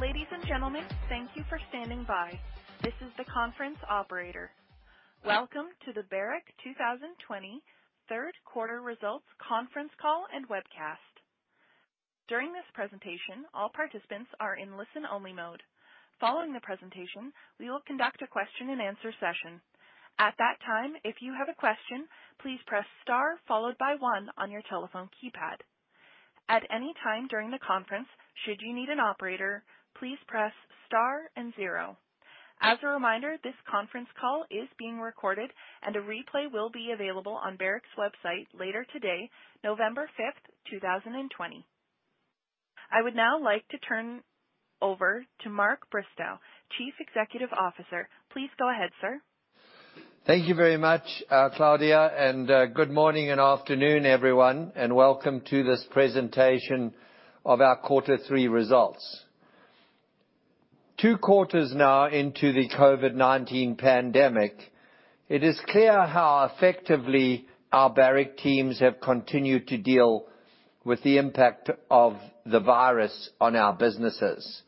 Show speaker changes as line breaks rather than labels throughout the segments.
Ladies and gentlemen, thank you for standing by. This is the conference operator. Welcome to the Barrick 2020 Q3 results conference call and webcast. During this presentation all participants are in listen-only-mode. Following the presentation, we will conduct a question-and-answer session. At that time if you have question, please press star followed by one on your telephone keypad. At any time during the meeting, should you need an operator, please press star and zero. As a reminder, this conference call is being recorded and the recorded audio will be available on the company's website today November 5th, 2020, I would now like to turn over to Mark Bristow, Chief Executive Officer. Please go ahead, sir.
Thank you very much, Claudia. Good morning and afternoon, everyone, and welcome to this presentation of our Q3 results. Two quarters now into the COVID-19 pandemic, it is clear how effectively our Barrick teams have continued to deal with the impact of the virus on our businesses,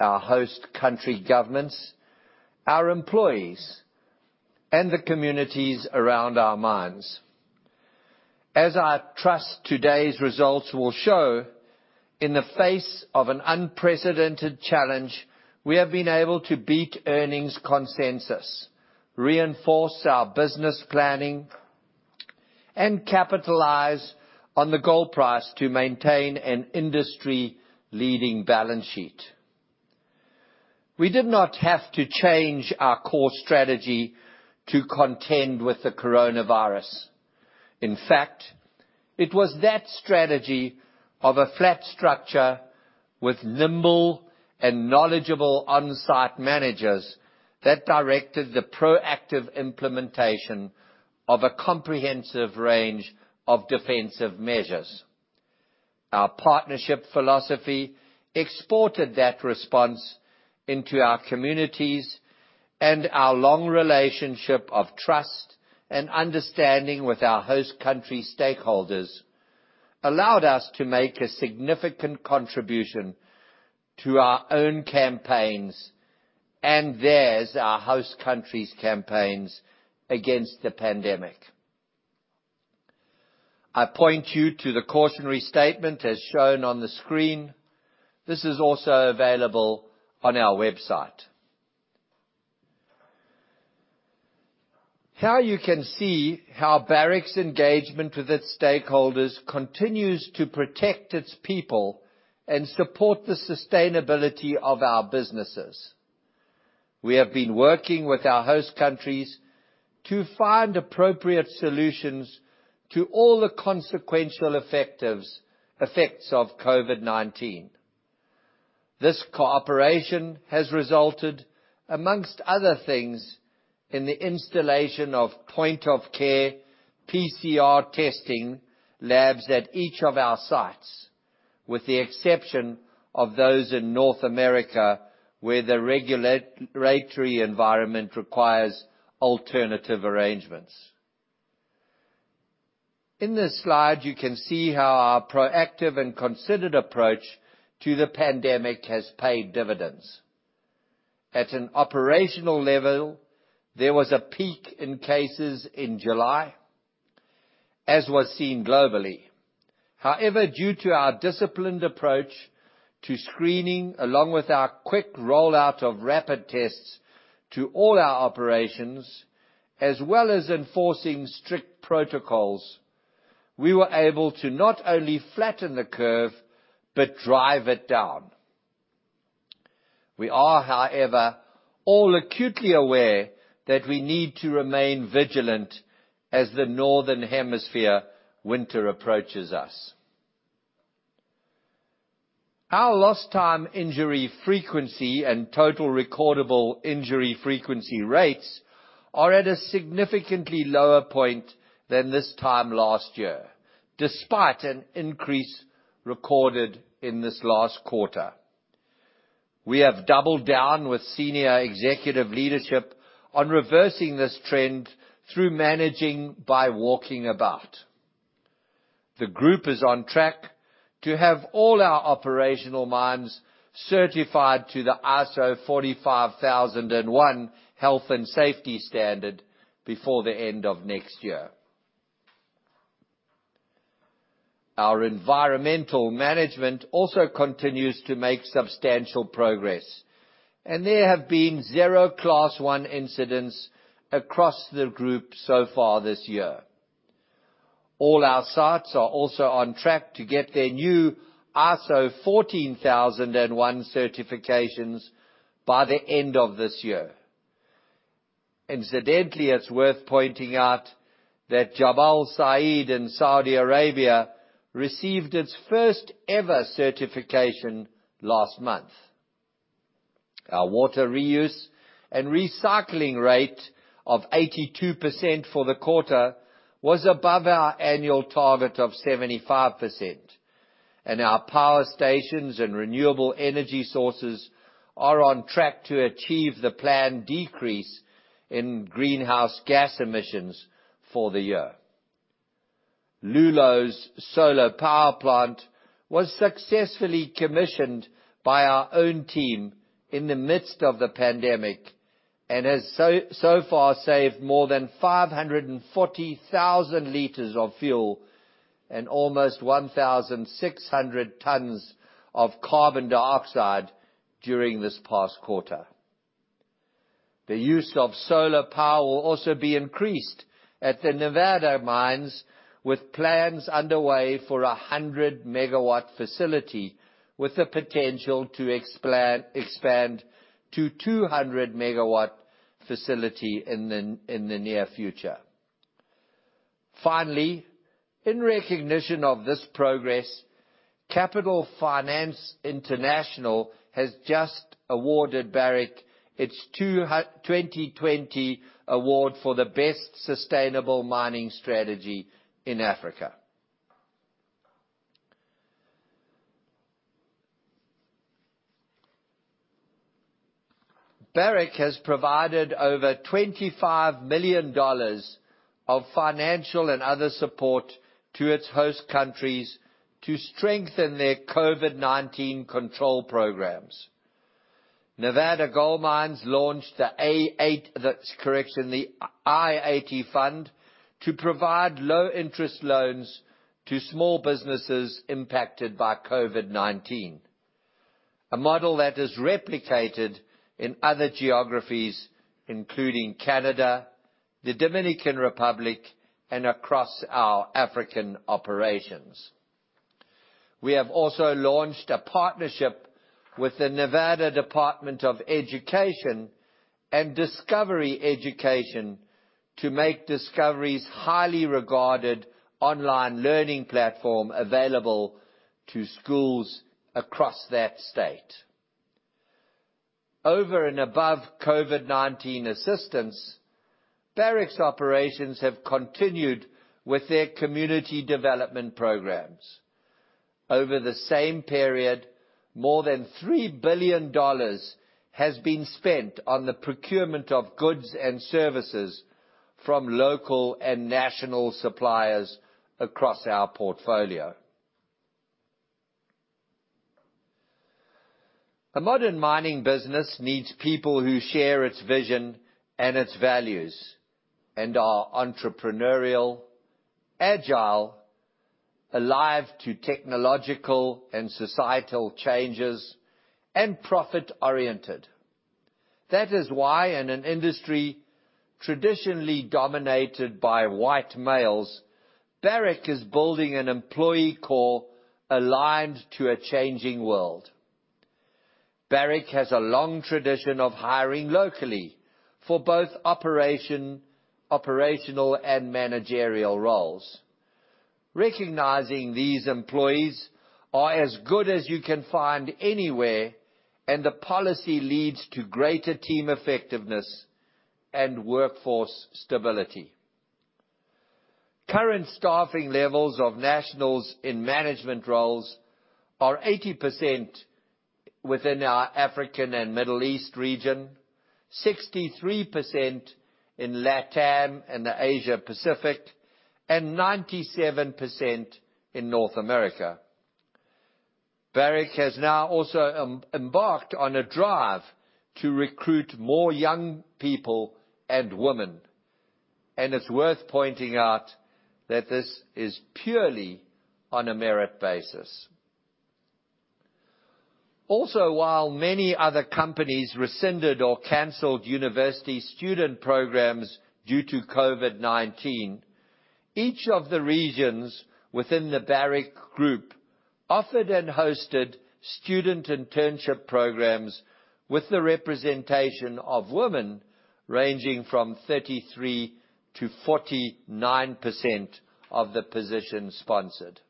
our host country governments, our employees, and the communities around our mines. As I trust today's results will show, in the face of an unprecedented challenge, we have been able to beat earnings consensus, reinforce our business planning, and capitalize on the gold price to maintain an industry-leading balance sheet. We did not have to change our core strategy to contend with the coronavirus. It was that strategy of a flat structure with nimble and knowledgeable on-site managers that directed the proactive implementation of a comprehensive range of defensive measures. Our partnership philosophy exported that response into our communities, and our long relationship of trust and understanding with our host country stakeholders allowed us to make a significant contribution to our own campaigns and theirs, our host country's campaigns against the pandemic. I point you to the cautionary statement as shown on the screen. This is also available on our website. Here you can see how Barrick's engagement with its stakeholders continues to protect its people and support the sustainability of our businesses. We have been working with our host countries to find appropriate solutions to all the consequential effects of COVID-19. This cooperation has resulted, amongst other things, in the installation of point-of-care PCR testing labs at each of our sites, with the exception of those in North America, where the regulatory environment requires alternative arrangements. In this slide, you can see how our proactive and considered approach to the pandemic has paid dividends. At an operational level, there was a peak in cases in July, as was seen globally. However, due to our disciplined approach to screening, along with our quick rollout of rapid tests to all our operations, as well as enforcing strict protocols, we were able to not only flatten the curve but drive it down. We are, however, all acutely aware that we need to remain vigilant as the Northern Hemisphere winter approaches us. Our lost time injury frequency and total recordable injury frequency rates are at a significantly lower point than this time last year, despite an increase recorded in this last quarter. We have doubled down with senior executive leadership on reversing this trend through managing by walking about. The group is on track to have all our operational mines certified to the ISO 45001 Health and Safety Standard before the end of next year. Our environmental management also continues to make substantial progress, and there have been zero class 1 incidents across the group so far this year. All our sites are also on track to get their new ISO 14001 certifications by the end of this year. Incidentally, it's worth pointing out that Jabal Sayid in Saudi Arabia received its first ever certification last month. Our water reuse and recycling rate of 82% for the quarter was above our annual target of 75%, and our power stations and renewable energy sources are on track to achieve the planned decrease in greenhouse gas emissions for the year. Loulo's solar power plant was successfully commissioned by our own team in the midst of the pandemic, and has so far saved more than 540,000 liters of fuel and almost 1,600 tons of carbon dioxide during this past quarter. The use of solar power will also be increased at the Nevada mines, with plans underway for 100 megawatt facility, with the potential to expand to 200 megawatt facility in the near future. Finally, in recognition of this progress, Capital Finance International has just awarded Barrick its 2020 award for the best sustainable mining strategy in Africa. Barrick has provided over $25 million of financial and other support to its host countries to strengthen their COVID-19 control programs. Nevada Gold Mines launched the I-80 Fund to provide low-interest loans to small businesses impacted by COVID-19. A model that is replicated in other geographies, including Canada, the Dominican Republic, and across our African operations. We have also launched a partnership with the Nevada Department of Education and Discovery Education to make Discovery's highly regarded online learning platform available to schools across that state. Over and above COVID-19 assistance, Barrick's operations have continued with their community development programs. Over the same period, more than $3 billion has been spent on the procurement of goods and services from local and national suppliers across our portfolio. A modern mining business needs people who share its vision and its values and are entrepreneurial, agile, alive to technological and societal changes, and profit oriented. That is why in an industry traditionally dominated by white males, Barrick is building an employee core aligned to a changing world. Barrick has a long tradition of hiring locally for both operational and managerial roles, recognizing these employees are as good as you can find anywhere, and the policy leads to greater team effectiveness and workforce stability. Current staffing levels of nationals in management roles are 80% within our African and Middle East region, 63% in LATAM and the Asia Pacific, and 97% in North America. Barrick has now also embarked on a drive to recruit more young people and women, and it's worth pointing out that this is purely on a merit basis. While many other companies rescinded or canceled university student programs due to COVID-19, each of the regions within the Barrick offered and hosted student internship programs with the representation of women ranging from 33%-49% of the positions sponsored.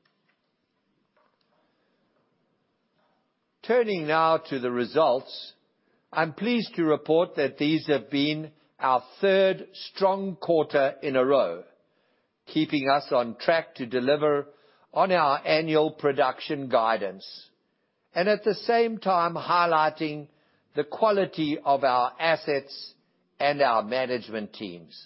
Turning now to the results. I'm pleased to report that these have been our third strong quarter in a row, keeping us on track to deliver on our annual production guidance, and at the same time highlighting the quality of our assets and our management teams.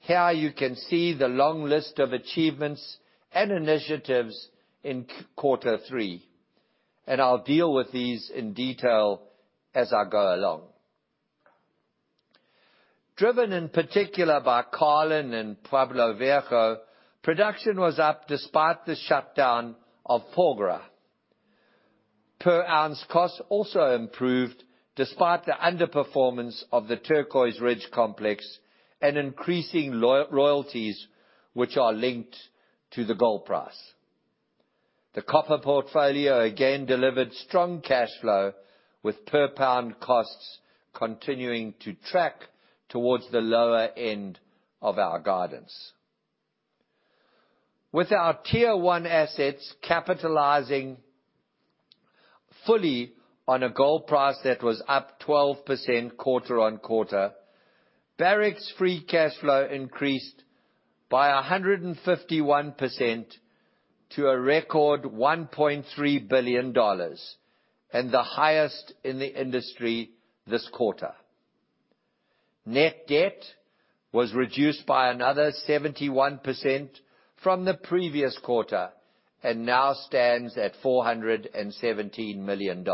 Here you can see the long list of achievements and initiatives in Q3, and I'll deal with these in detail as I go along. Driven in particular by Carlin and Pueblo Viejo, production was up despite the shutdown of Porgera. Per ounce costs also improved despite the underperformance of the Turquoise Ridge complex and increasing royalties, which are linked to the gold price. The copper portfolio again delivered strong cash flow with per pound costs continuing to track towards the lower end of our guidance. With our tier 1 assets capitalizing fully on a gold price that was up 12% quarter-on-quarter, Barrick's free cash flow increased by 151% to a record $1.3 billion, and the highest in the industry this quarter. Net debt was reduced by another 71% from the previous quarter and now stands at $417 million.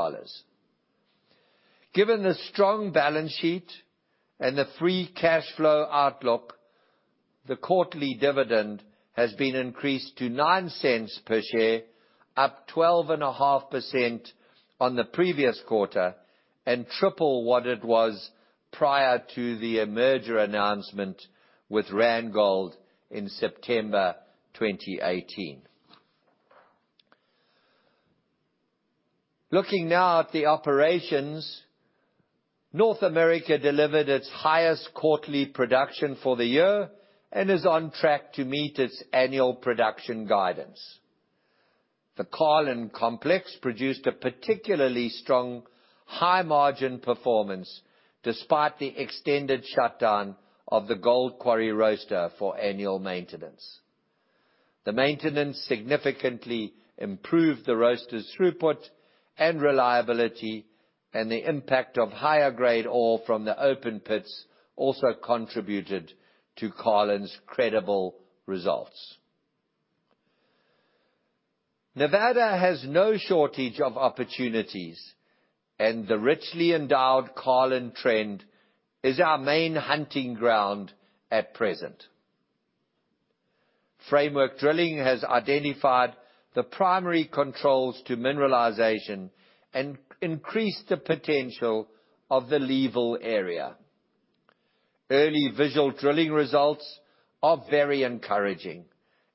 Given the strong balance sheet and the free cash flow outlook, the quarterly dividend has been increased to $0.09 per share, up 12.5% on the previous quarter, and triple what it was prior to the merger announcement with Randgold in September 2018. Looking now at the operations, North America delivered its highest quarterly production for the year and is on track to meet its annual production guidance. The Carlin Complex produced a particularly strong high-margin performance despite the extended shutdown of the Gold Quarry roaster for annual maintenance. The maintenance significantly improved the roaster's throughput and reliability, and the impact of higher-grade ore from the open pits also contributed to Carlin's credible results. Nevada has no shortage of opportunities, and the richly endowed Carlin Trend is our main hunting ground at present. Framework drilling has identified the primary controls to mineralization and increased the potential of the Leeville area. Early visual drilling results are very encouraging,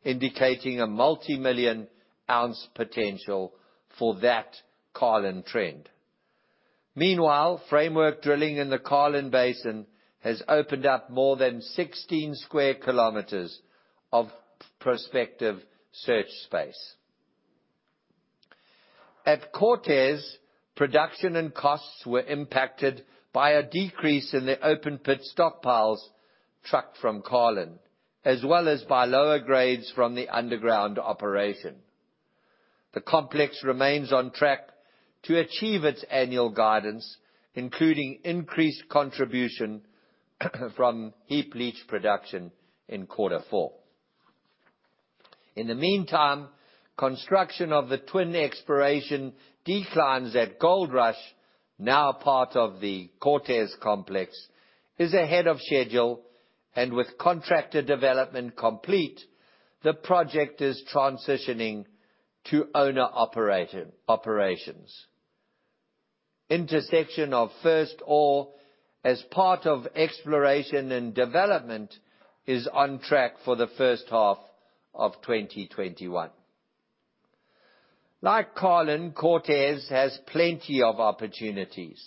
indicating a multimillion-ounce potential for that Carlin Trend. Meanwhile, framework drilling in the Carlin Basin has opened up more than 16 square kilometers of prospective search space. At Cortez, production and costs were impacted by a decrease in the open-pit stockpiles trucked from Carlin, as well as by lower grades from the underground operation. The complex remains on track to achieve its annual guidance, including increased contribution from heap leach production in quarter four. In the meantime, construction of the twin exploration declines at Goldrush, now part of the Cortez Complex, is ahead of schedule, and with contractor development complete, the project is transitioning to owner operations. Intersection of first ore as part of exploration and development is on track for the H1 of 2021. Like Carlin, Cortez has plenty of opportunities.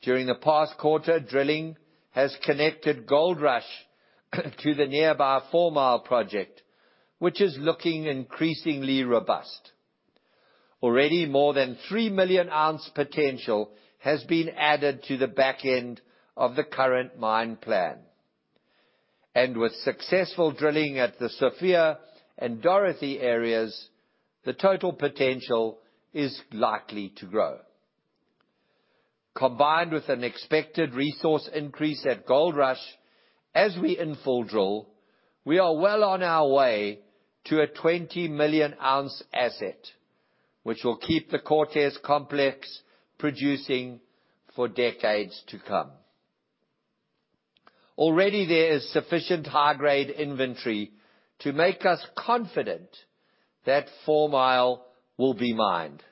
During the past quarter, drilling has connected Goldrush to the nearby Fourmile project, which is looking increasingly robust. Already, more than 3-million-ounce potential has been added to the back end of the current mine plan. With successful drilling at the Sophia and Dorothy areas, the total potential is likely to grow. Combined with an expected resource increase at Goldrush as we infill drill, we are well on our way to a 20-million-ounce asset, which will keep the Cortez Complex producing for decades to come. Already, there is sufficient high-grade inventory to make us confident that Fourmile will be mined,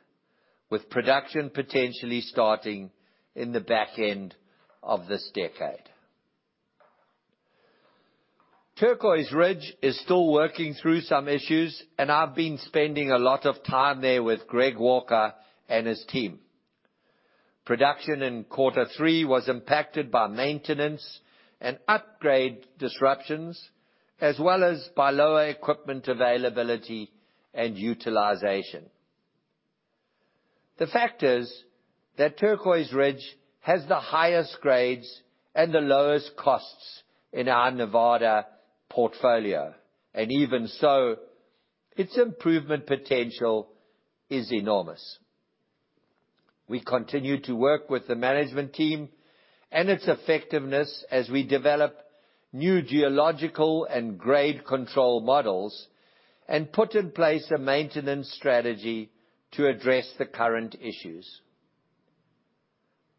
with production potentially starting in the back end of this decade. Turquoise Ridge is still working through some issues, and I've been spending a lot of time there with Greg Walker and his team. Production in Q3 was impacted by maintenance and upgrade disruptions, as well as by lower equipment availability and utilization. The fact is that Turquoise Ridge has the highest grades and the lowest costs in our Nevada portfolio. Even so, its improvement potential is enormous. We continue to work with the management team and its effectiveness as we develop new geological and grade control models and put in place a maintenance strategy to address the current issues.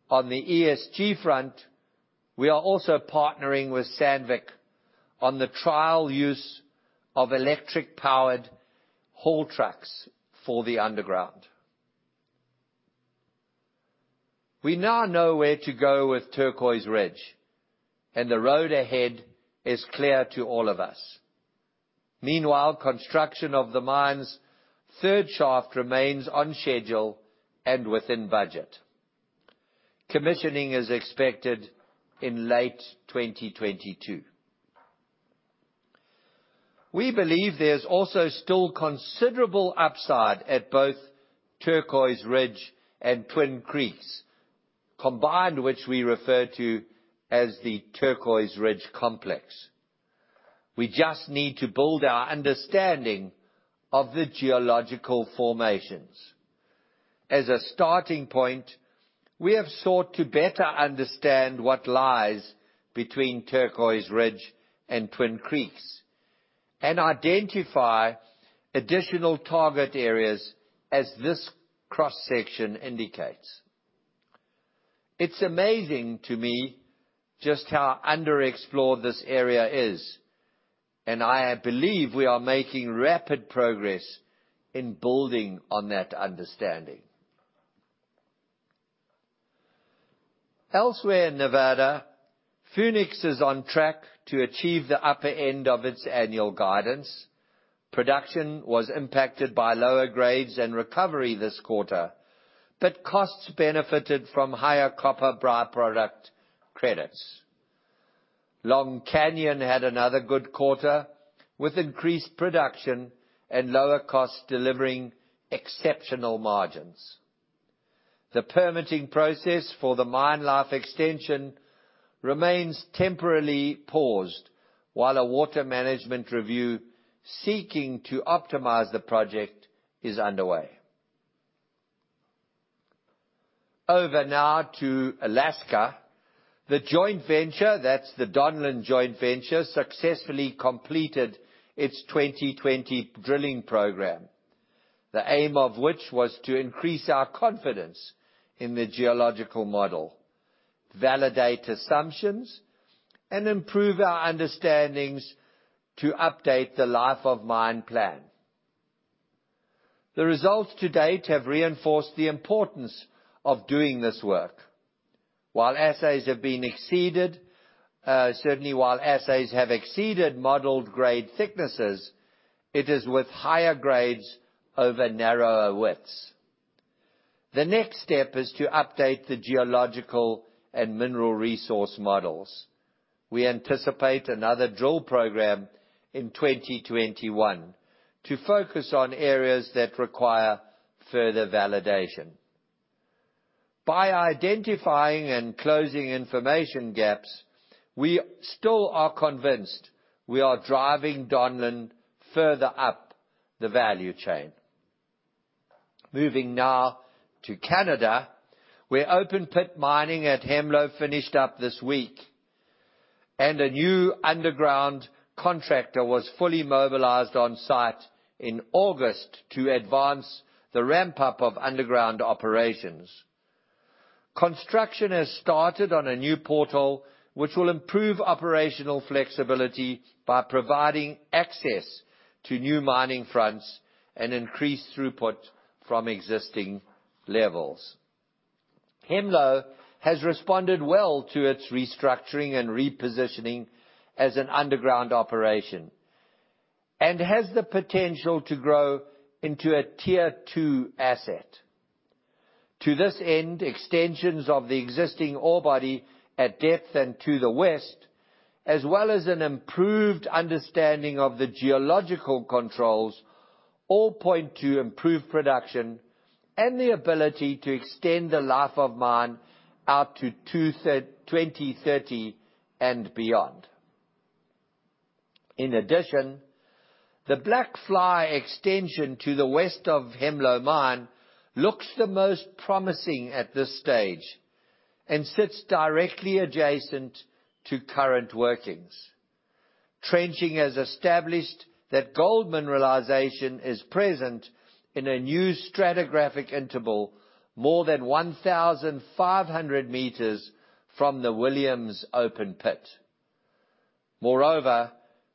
On the ESG front, we are also partnering with Sandvik on the trial use of electric-powered haul trucks for the underground. We now know where to go with Turquoise Ridge, and the road ahead is clear to all of us. Meanwhile, construction of the mine's third shaft remains on schedule and within budget. Commissioning is expected in late 2022. We believe there's also still considerable upside at both Turquoise Ridge and Twin Creeks, combined which we refer to as the Turquoise Ridge Complex. We just need to build our understanding of the geological formations. As a starting point, we have sought to better understand what lies between Turquoise Ridge and Twin Creeks and identify additional target areas as this cross-section indicates. It's amazing to me just how underexplored this area is, and I believe we are making rapid progress in building on that understanding. Elsewhere in Nevada, Phoenix is on track to achieve the upper end of its annual guidance. Production was impacted by lower grades and recovery this quarter, but costs benefited from higher copper by-product credits. Long Canyon had another good quarter with increased production and lower costs delivering exceptional margins. The permitting process for the mine life extension remains temporarily paused while a water management review seeking to optimize the project is underway. Over now to Alaska. The joint venture, that's the Donlin joint venture, successfully completed its 2020 drilling program. The aim of which was to increase our confidence in the geological model, validate assumptions, and improve our understandings to update the life of mine plan. The results to date have reinforced the importance of doing this work. Certainly while assays have exceeded modeled grade thicknesses, it is with higher grades over narrower widths. The next step is to update the geological and mineral resource models. We anticipate another drill program in 2021 to focus on areas that require further validation. By identifying and closing information gaps, we still are convinced we are driving Donlin further up the value chain. Moving now to Canada, where open pit mining at Hemlo finished up this week, and a new underground contractor was fully mobilized on-site in August to advance the ramp-up of underground operations. Construction has started on a new portal, which will improve operational flexibility by providing access to new mining fronts and increase throughput from existing levels. Hemlo has responded well to its restructuring and repositioning as an underground operation and has the potential to grow into a tier 2 asset. To this end, extensions of the existing ore body at depth and to the west, as well as an improved understanding of the geological controls, all point to improved production and the ability to extend the life of mine out to 2030 and beyond. In addition, the Blackfly extension to the west of Hemlo mine looks the most promising at this stage and sits directly adjacent to current workings. Trenching has established that gold mineralization is present in a new stratigraphic interval, more than 1,500 meters from the Williams open pit. Moreover,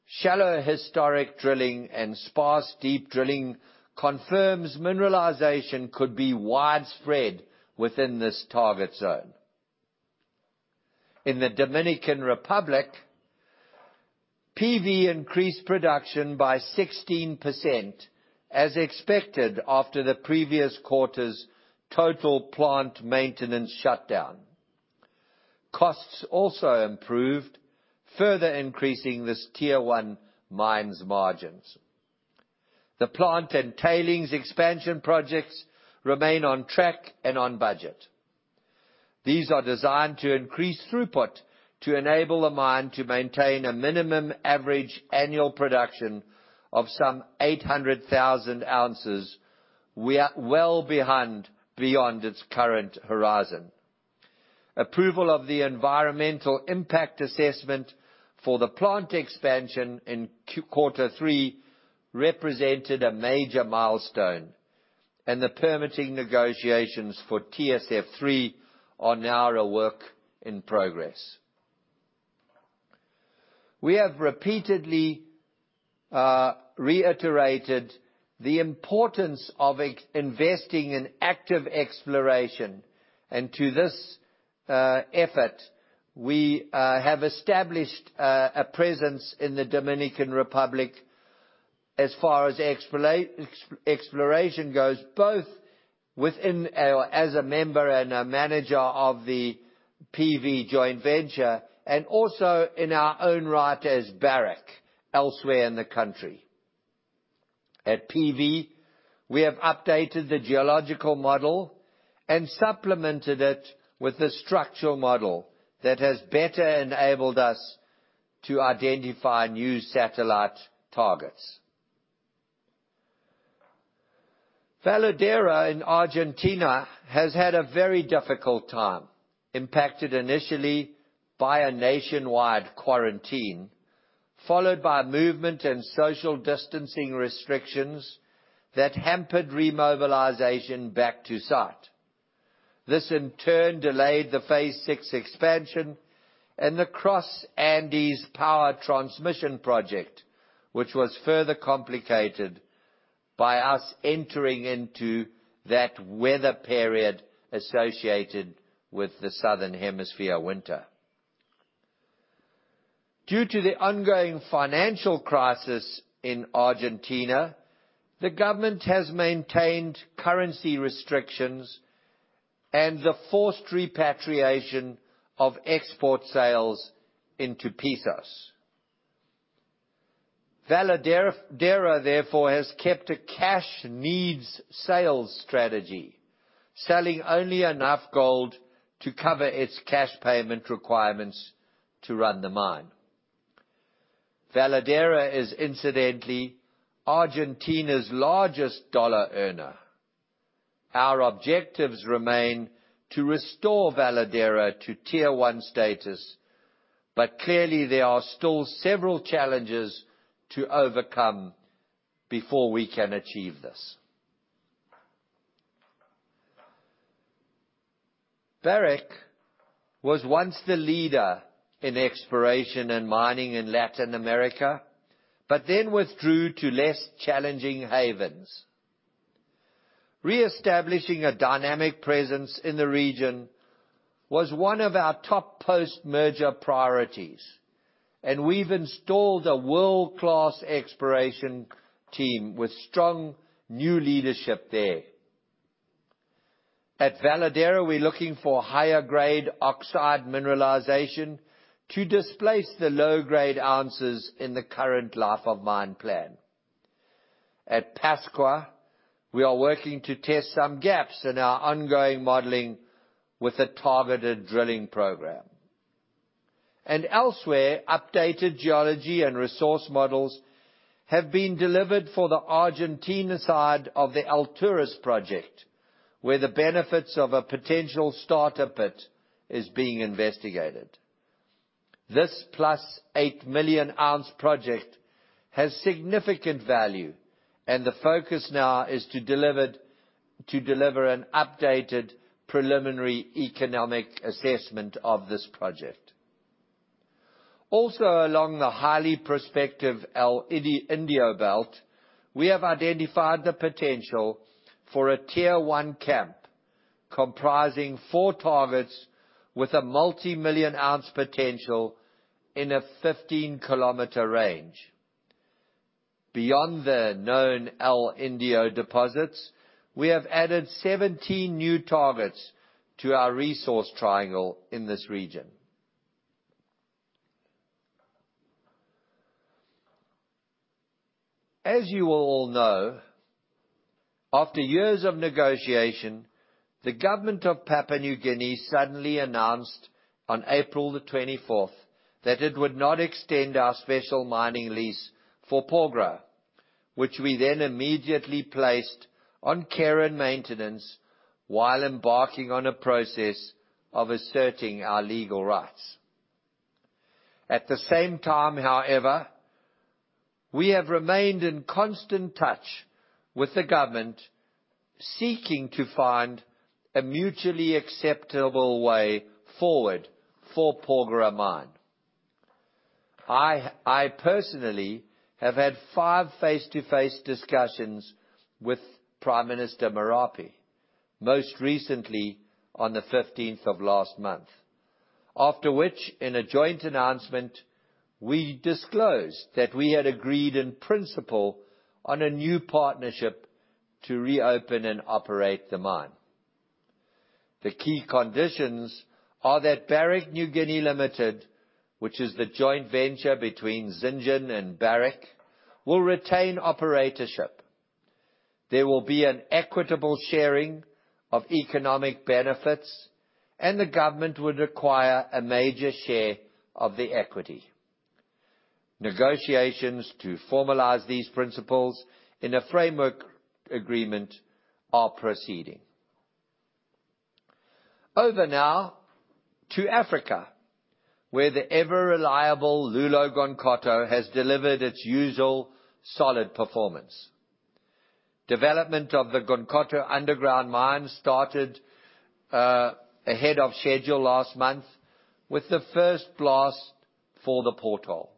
shallow historic drilling and sparse deep drilling confirms mineralization could be widespread within this target zone. In the Dominican Republic, PV increased production by 16%, as expected after the previous quarter's total plant maintenance shutdown. Costs also improved, further increasing this tier 1 mine's margins. The plant and tailings expansion projects remain on track and on budget. These are designed to increase throughput to enable the mine to maintain a minimum average annual production of some 800,000 ounces, well beyond its current horizon. Approval of the environmental impact assessment for the plant expansion in Q3 represented a major milestone, and the permitting negotiations for TSF-3 are now a work in progress. We have repeatedly reiterated the importance of investing in active exploration, and to this effort, we have established a presence in the Dominican Republic as far as exploration goes, both as a member and a manager of the PV joint venture, and also in our own right as Barrick elsewhere in the country. At PV, we have updated the geological model and supplemented it with a structural model that has better enabled us to identify new satellite targets. Veladero in Argentina has had a very difficult time, impacted initially by a nationwide quarantine, followed by movement and social distancing restrictions that hampered remobilization back to site. This, in turn, delayed the phase six expansion and the Cross Andes Power Transmission Project, which was further complicated by us entering into that weather period associated with the Southern Hemisphere winter. Due to the ongoing financial crisis in Argentina, the government has maintained currency restrictions and the forced repatriation of export sales into pesos. Veladero, therefore, has kept a cash needs sales strategy, selling only enough gold to cover its cash payment requirements to run the mine. Veladero is incidentally Argentina's largest dollar earner. Our objectives remain to restore Veladero to tier 1 status, but clearly, there are still several challenges to overcome before we can achieve this. Barrick was once the leader in exploration and mining in Latin America, but then withdrew to less challenging havens. Reestablishing a dynamic presence in the region was one of our top post-merger priorities, and we've installed a world-class exploration team with strong new leadership there. At Veladero, we're looking for higher grade oxide mineralization to displace the low-grade ounces in the current life of mine plan. At Pascua, we are working to test some gaps in our ongoing modeling with a targeted drilling program. Elsewhere, updated geology and resource models have been delivered for the Argentina side of the Alturas project, where the benefits of a potential startup pit are being investigated. This plus 8-million-ounce project has significant value, and the focus now is to deliver an updated preliminary economic assessment of this project. Along the highly prospective El Indio Belt, we have identified the potential for a tier 1 camp comprising four targets with a multimillion ounce potential in a 15-kilometer range. Beyond the known El Indio deposits, we have added 17 new targets to our resource triangle in this region. As you all know, after years of negotiation, the government of Papua New Guinea suddenly announced on April the 24th that it would not extend our special mining lease for Porgera, which we then immediately placed on care and maintenance while embarking on a process of asserting our legal rights. At the same time, however, we have remained in constant touch with the government, seeking to find a mutually acceptable way forward for Porgera mine. I personally have had five face-to-face discussions with Prime Minister Marape, most recently on the 15th of last month. After which, in a joint announcement, we disclosed that we had agreed in principle on a new partnership to reopen and operate the mine. The key conditions are that Barrick (Niugini) Limited, which is the joint venture between Zijin and Barrick, will retain operatorship. There will be an equitable sharing of economic benefits. The government would require a major share of the equity. Negotiations to formalize these principles in a framework agreement are proceeding. Over now to Africa, where the ever-reliable Loulo-Gounkoto has delivered its usual solid performance. Development of the Gounkoto underground mine started ahead of schedule last month with the first blast for the portal.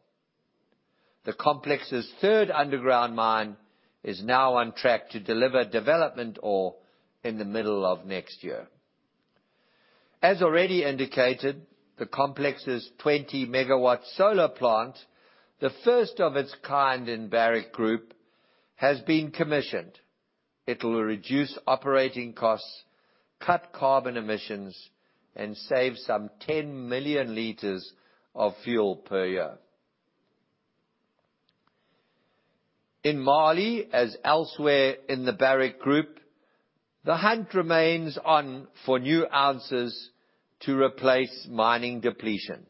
The complex's third underground mine is now on track to deliver development ore in the middle of next year. As already indicated, the complex's 20 MW solar plant, the first of its kind in Barrick Group, has been commissioned. It will reduce operating costs, cut carbon emissions, and save some 10 million liters of fuel per year. In Mali, as elsewhere in Barrick Gold, the hunt remains on for new ounces to replace mining depletion.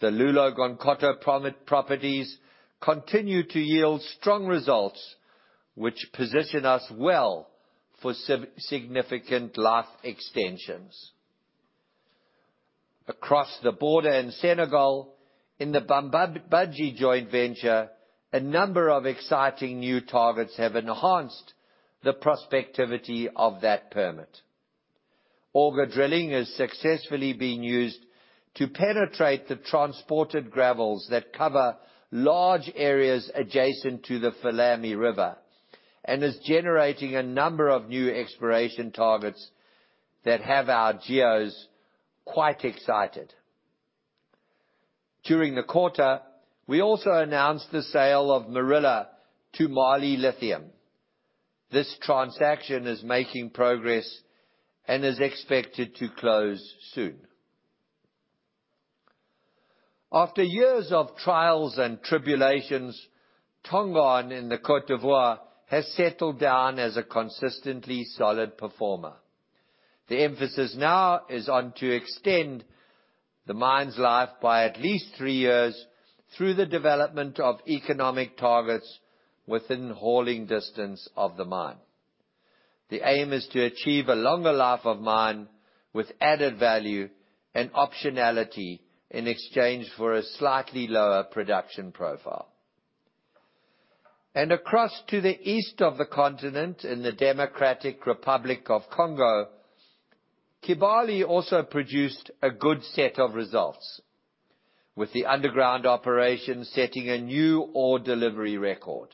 The Loulo-Gounkoto properties continue to yield strong results, which position us well for significant life extensions. Across the border in Senegal, in the Bambadji joint venture, a number of exciting new targets have enhanced the prospectivity of that permit. Auger drilling is successfully being used to penetrate the transported gravels that cover large areas adjacent to the Falémé River and is generating a number of new exploration targets that have our geos quite excited. During the quarter, we also announced the sale of Morila to Mali Lithium. This transaction is making progress and is expected to close soon. After years of trials and tribulations, Tongon in the Cote d'Ivoire has settled down as a consistently solid performer. The emphasis now is on to extend the mine's life by at least three years through the development of economic targets within hauling distance of the mine. The aim is to achieve a longer life of mine with added value and optionality in exchange for a slightly lower production profile. Across to the east of the continent, in the Democratic Republic of Congo, Kibali also produced a good set of results, with the underground operation setting a new ore delivery record.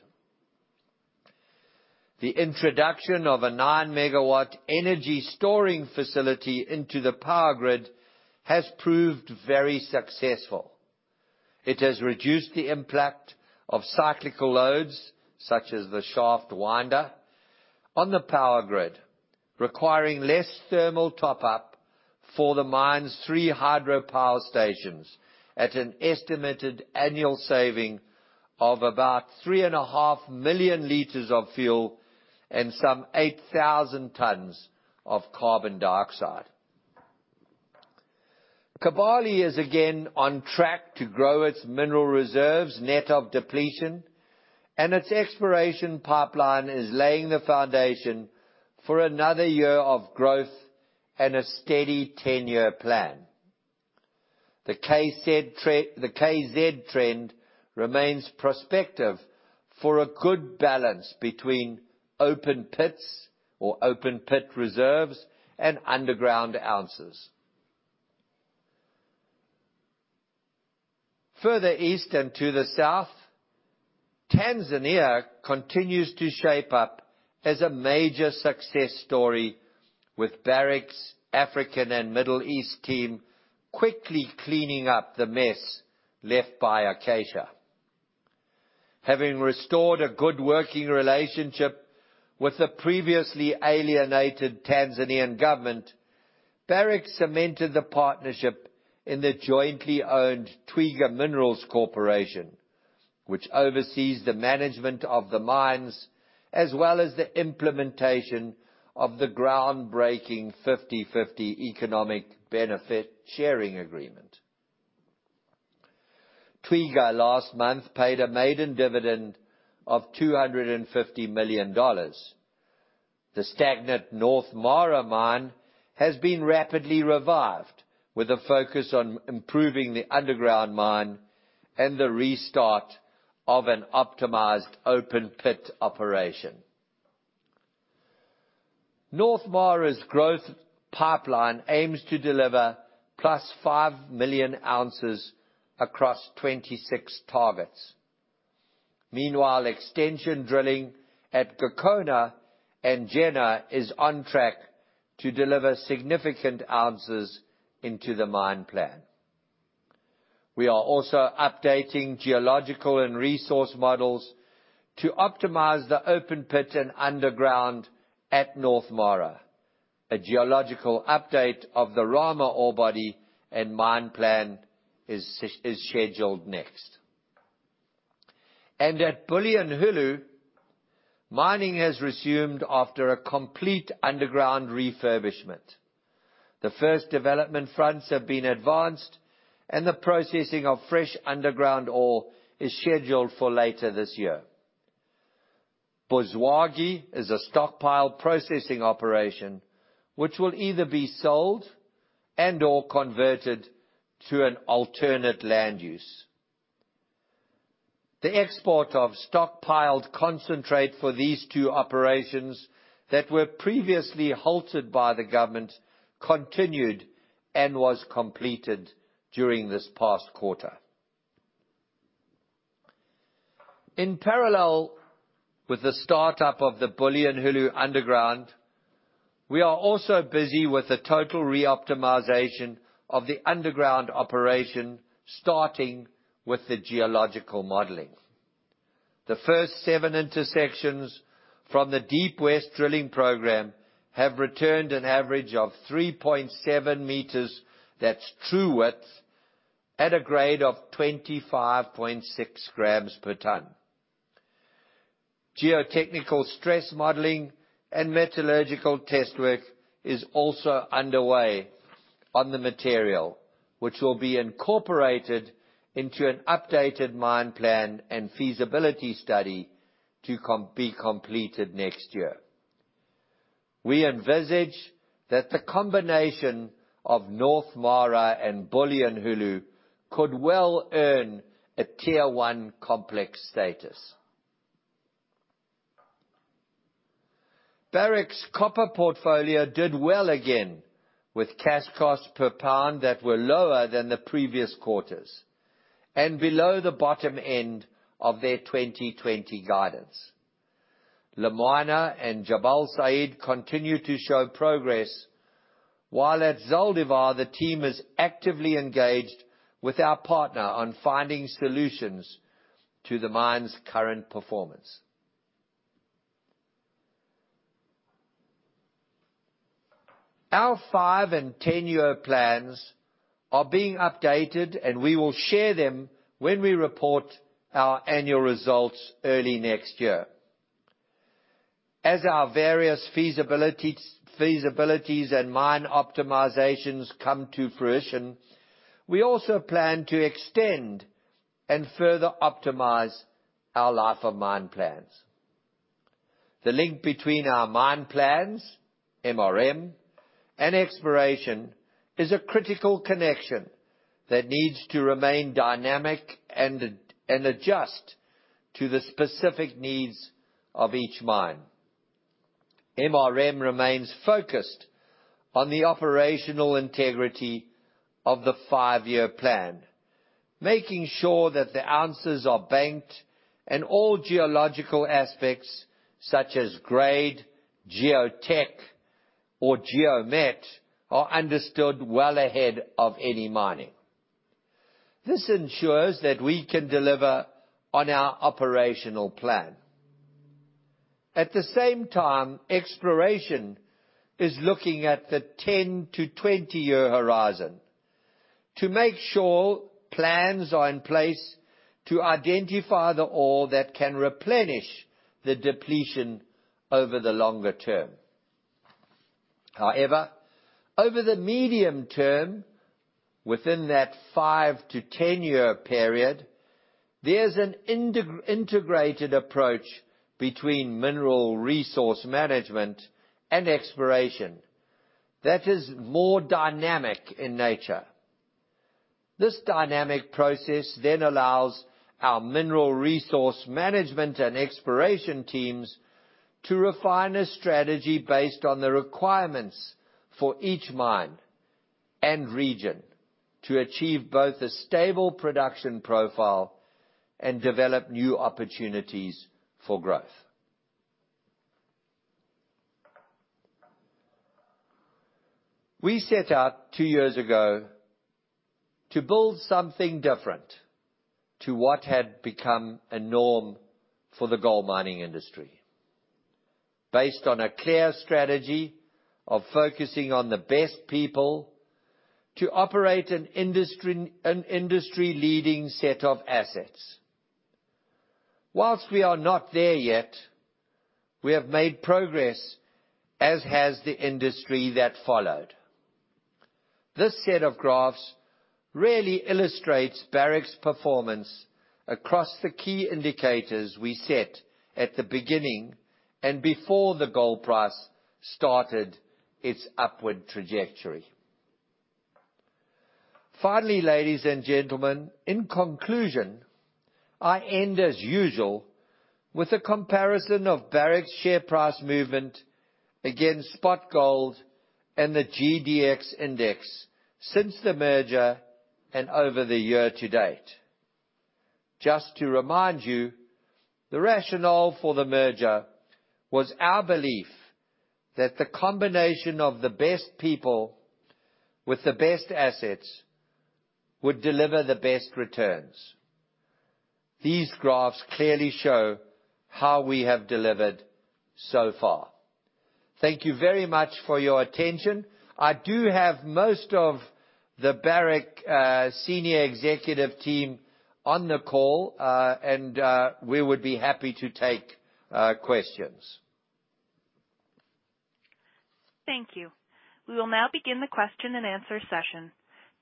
The introduction of a nine-megawatt energy storing facility into the power grid has proved very successful. It has reduced the impact of cyclical loads, such as the shaft winder, on the power grid, requiring less thermal top-up for the mine's three hydropower stations at an estimated annual saving of about three and a half million liters of fuel and some 8,000 tons of carbon dioxide. Kibali is again on track to grow its mineral reserves, net of depletion, and its exploration pipeline is laying the foundation for another year of growth and a steady 10-year plan. The KCD trend remains prospective for a good balance between open pits or open-pit reserves and underground ounces. Further east and to the south, Tanzania continues to shape up as a major success story with Barrick's African and Middle East team quickly cleaning up the mess left by Acacia. Having restored a good working relationship with the previously alienated Tanzanian Government, Barrick cemented the partnership in the jointly owned Twiga Minerals Corporation, which oversees the management of the mines as well as the implementation of the groundbreaking 50/50 economic benefit sharing agreement. Twiga last month paid a maiden dividend of $250 million. The stagnant North Mara mine has been rapidly revived, with a focus on improving the underground mine and the restart of an optimized open-pit operation. North Mara's growth pipeline aims to deliver plus 5-million-ounces across 26 targets. Extension drilling at Gokona and Gena is on track to deliver significant ounces into the mine plan. We are also updating geological and resource models to optimize the open pit and underground at North Mara. A geological update of the Rama ore body and mine plan is scheduled next. At Bulyanhulu, mining has resumed after a complete underground refurbishment. The first development fronts have been advanced, and the processing of fresh underground ore is scheduled for later this year. Buzwagi is a stockpile processing operation, which will either be sold and/or converted to an alternate land use. The export of stockpiled concentrate for these two operations that were previously halted by the government continued and was completed during this past quarter. In parallel with the startup of the Bulyanhulu underground. We are also busy with the total re-optimization of the underground operation, starting with the geological modeling. The first seven intersections from the Deep West drilling program have returned an average of 3.7 meters, that's true width, at a grade of 25.6 grams per ton. Geotechnical stress modeling and metallurgical test work is also underway on the material, which will be incorporated into an updated mine plan and feasibility study to be completed next year. We envisage that the combination of North Mara and Bulyanhulu could well earn a tier 1 complex status. Barrick's copper portfolio did well again with cash costs per pound that were lower than the previous quarters and below the bottom end of their 2020 guidance. Lumwana and Jabal Sayid continue to show progress, while at Zaldívar, the team is actively engaged with our partner on finding solutions to the mine's current performance. Our 5- and 10-year plans are being updated, and we will share them when we report our annual results early next year. As our various feasibilities and mine optimizations come to fruition, we also plan to extend and further optimize our life of mine plans. The link between our mine plans, MRM, and exploration is a critical connection that needs to remain dynamic and adjust to the specific needs of each mine. MRM remains focused on the operational integrity of the five-year plan, making sure that the ounces are banked and all geological aspects, such as grade, Geotech, or geomet are understood well ahead of any mining. This ensures that we can deliver on our operational plan. At the same time, exploration is looking at the 10-20-year horizon to make sure plans are in place to identify the ore that can replenish the depletion over the longer term. However, over the medium term, within that five to 10-year period, there's an integrated approach between mineral resource management and exploration that is more dynamic in nature. This dynamic process then allows our mineral resource management and exploration teams to refine a strategy based on the requirements for each mine and region to achieve both a stable production profile and develop new opportunities for growth. We set out two years ago to build something different to what had become a norm for the gold mining industry. Based on a clear strategy of focusing on the best people to operate an industry-leading set of assets. Whilst we are not there yet, we have made progress, as has the industry that followed. This set of graphs really illustrates Barrick's performance across the key indicators we set at the beginning and before the gold price started its upward trajectory. Finally, ladies and gentlemen, in conclusion, I end as usual with a comparison of Barrick's share price movement against spot gold and the GDX index since the merger and over the year to date. Just to remind you, the rationale for the merger was our belief that the combination of the best people with the best assets would deliver the best returns. These graphs clearly show how we have delivered so far. Thank you very much for your attention. I do have most of the Barrick Senior Executive Team on the call. We would be happy to take questions.
Thank you. We will now begin the question-and-answer session.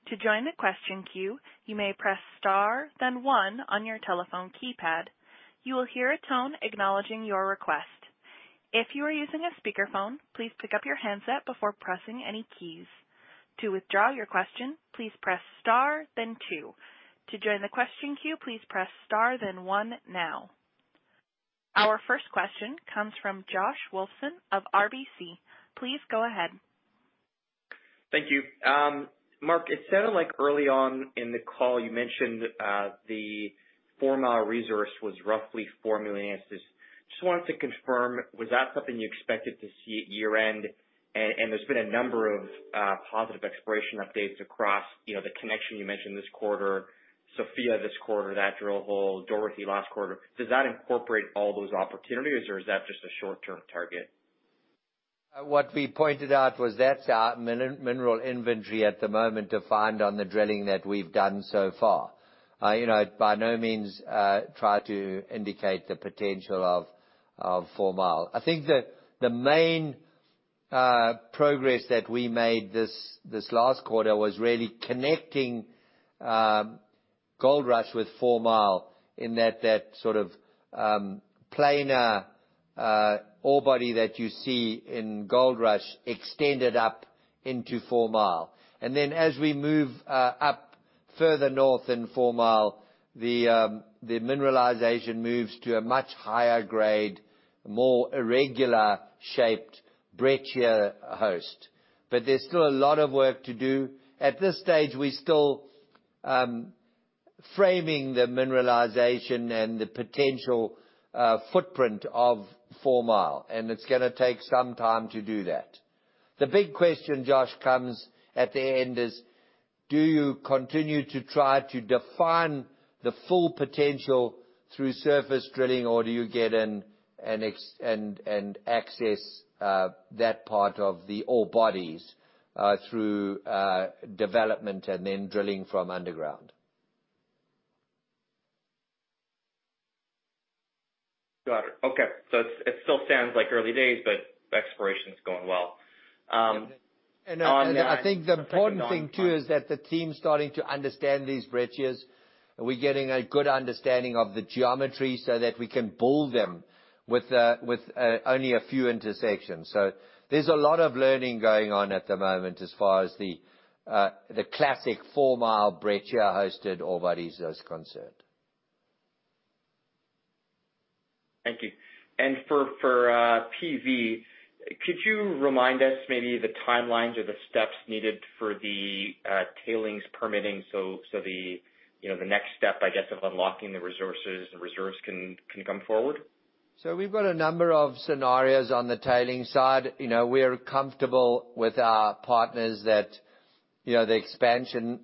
To join the question queue you may press star then one on your telephone keypad. You will hear a tone acknowledging your request. If you are using a speaker phone, please pick up your headsets before pressing any keys. To withdraw your question, please press star then two. To join the question queue please press star then one now. Our first question comes from Josh Wolfson of RBC. Please go ahead
Thank you. Mark, it sounded like early on in the call, you mentioned the Fourmile resource was roughly 4-million-ounces. Just wanted to confirm, was that something you expected to see at year-end? There's been a number of positive exploration updates across the connection you mentioned this quarter, Sofia this quarter, that drill hole, Dorothy last quarter. Does that incorporate all those opportunities or is that just a short-term target?
What we pointed out was that's our mineral inventory at the moment defined on the drilling that we've done so far. By no means try to indicate the potential of Fourmile. I think the main progress that we made this last quarter was really connecting Goldrush with Fourmile in that sort of planar ore body that you see in Goldrush extended up into Fourmile. As we move up further north in Fourmile, the mineralization moves to a much higher grade, more irregular shaped breccia host. There's still a lot of work to do. At this stage, we're still framing the mineralization and the potential footprint of Fourmile, and it's going to take some time to do that. The big question, Josh, comes at the end is, do you continue to try to define the full potential through surface drilling, or do you get in and access that part of the ore bodies, through development and then drilling from underground?
Got it. Okay. It still sounds like early days, but exploration's going well.
I think the important thing too is that the team's starting to understand these breccias, and we're getting a good understanding of the geometry so that we can model them with only a few intersections. There's a lot of learning going on at the moment as far as the classic Fourmile breccia-hosted ore body is concerned.
Thank you. For PV, could you remind us maybe the timelines or the steps needed for the tailings permitting so the next step, I guess, of unlocking the resources and reserves can come forward?
We've got a number of scenarios on the tailings side. We're comfortable with our partners that the expansion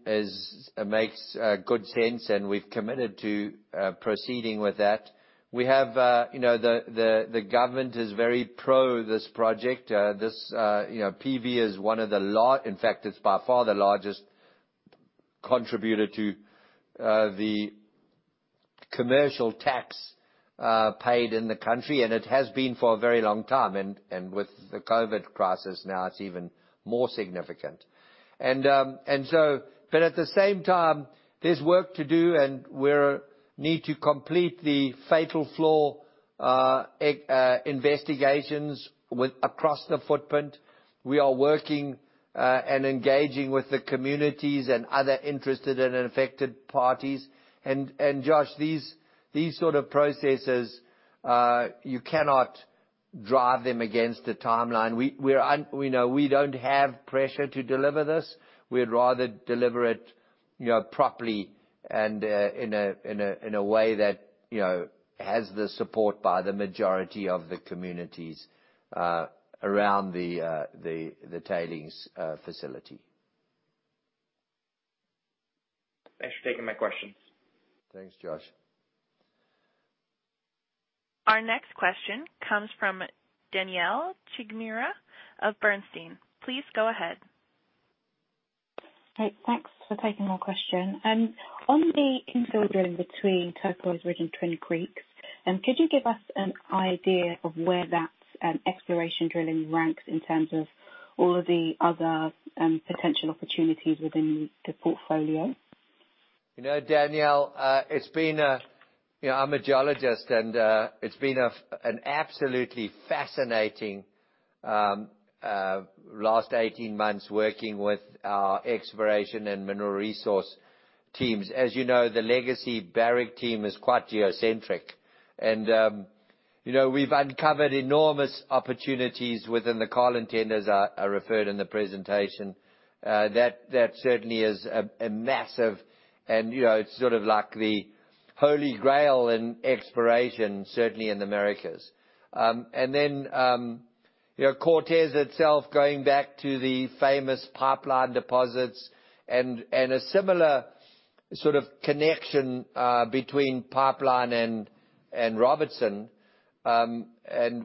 makes good sense, and we've committed to proceeding with that. The government is very pro this project. PV is one of the largest contributor to the commercial tax paid in the country, and it has been for a very long time, and with the COVID-19 crisis now, it's even more significant. At the same time, there's work to do, and we need to complete the fatal flaw investigations across the footprint. We are working and engaging with the communities and other interested and affected parties. Josh, these sort of processes, you cannot drive them against the timeline. We don't have pressure to deliver this. We'd rather deliver it properly and in a way that has the support by the majority of the communities around the tailings facility.
Thanks for taking my questions.
Thanks, Josh.
Our next question comes from Danielle Chigumira of Bernstein. Please go ahead.
Great. Thanks for taking my question. On the infill drilling between Turquoise Ridge and Twin Creeks, could you give us an idea of where that exploration drilling ranks in terms of all of the other potential opportunities within the portfolio?
Danielle, I'm a geologist, it's been an absolutely fascinating last 18 months working with our exploration and mineral resource teams. As you know, the legacy Barrick team is quite geocentric. We've uncovered enormous opportunities within the Carlin Trend, as I referred in the presentation. That certainly is a massive, and it's sort of like the holy grail in exploration, certainly in the Americas. Cortez itself, going back to the famous Pipeline deposits and a similar sort of connection between Pipeline and Robertson.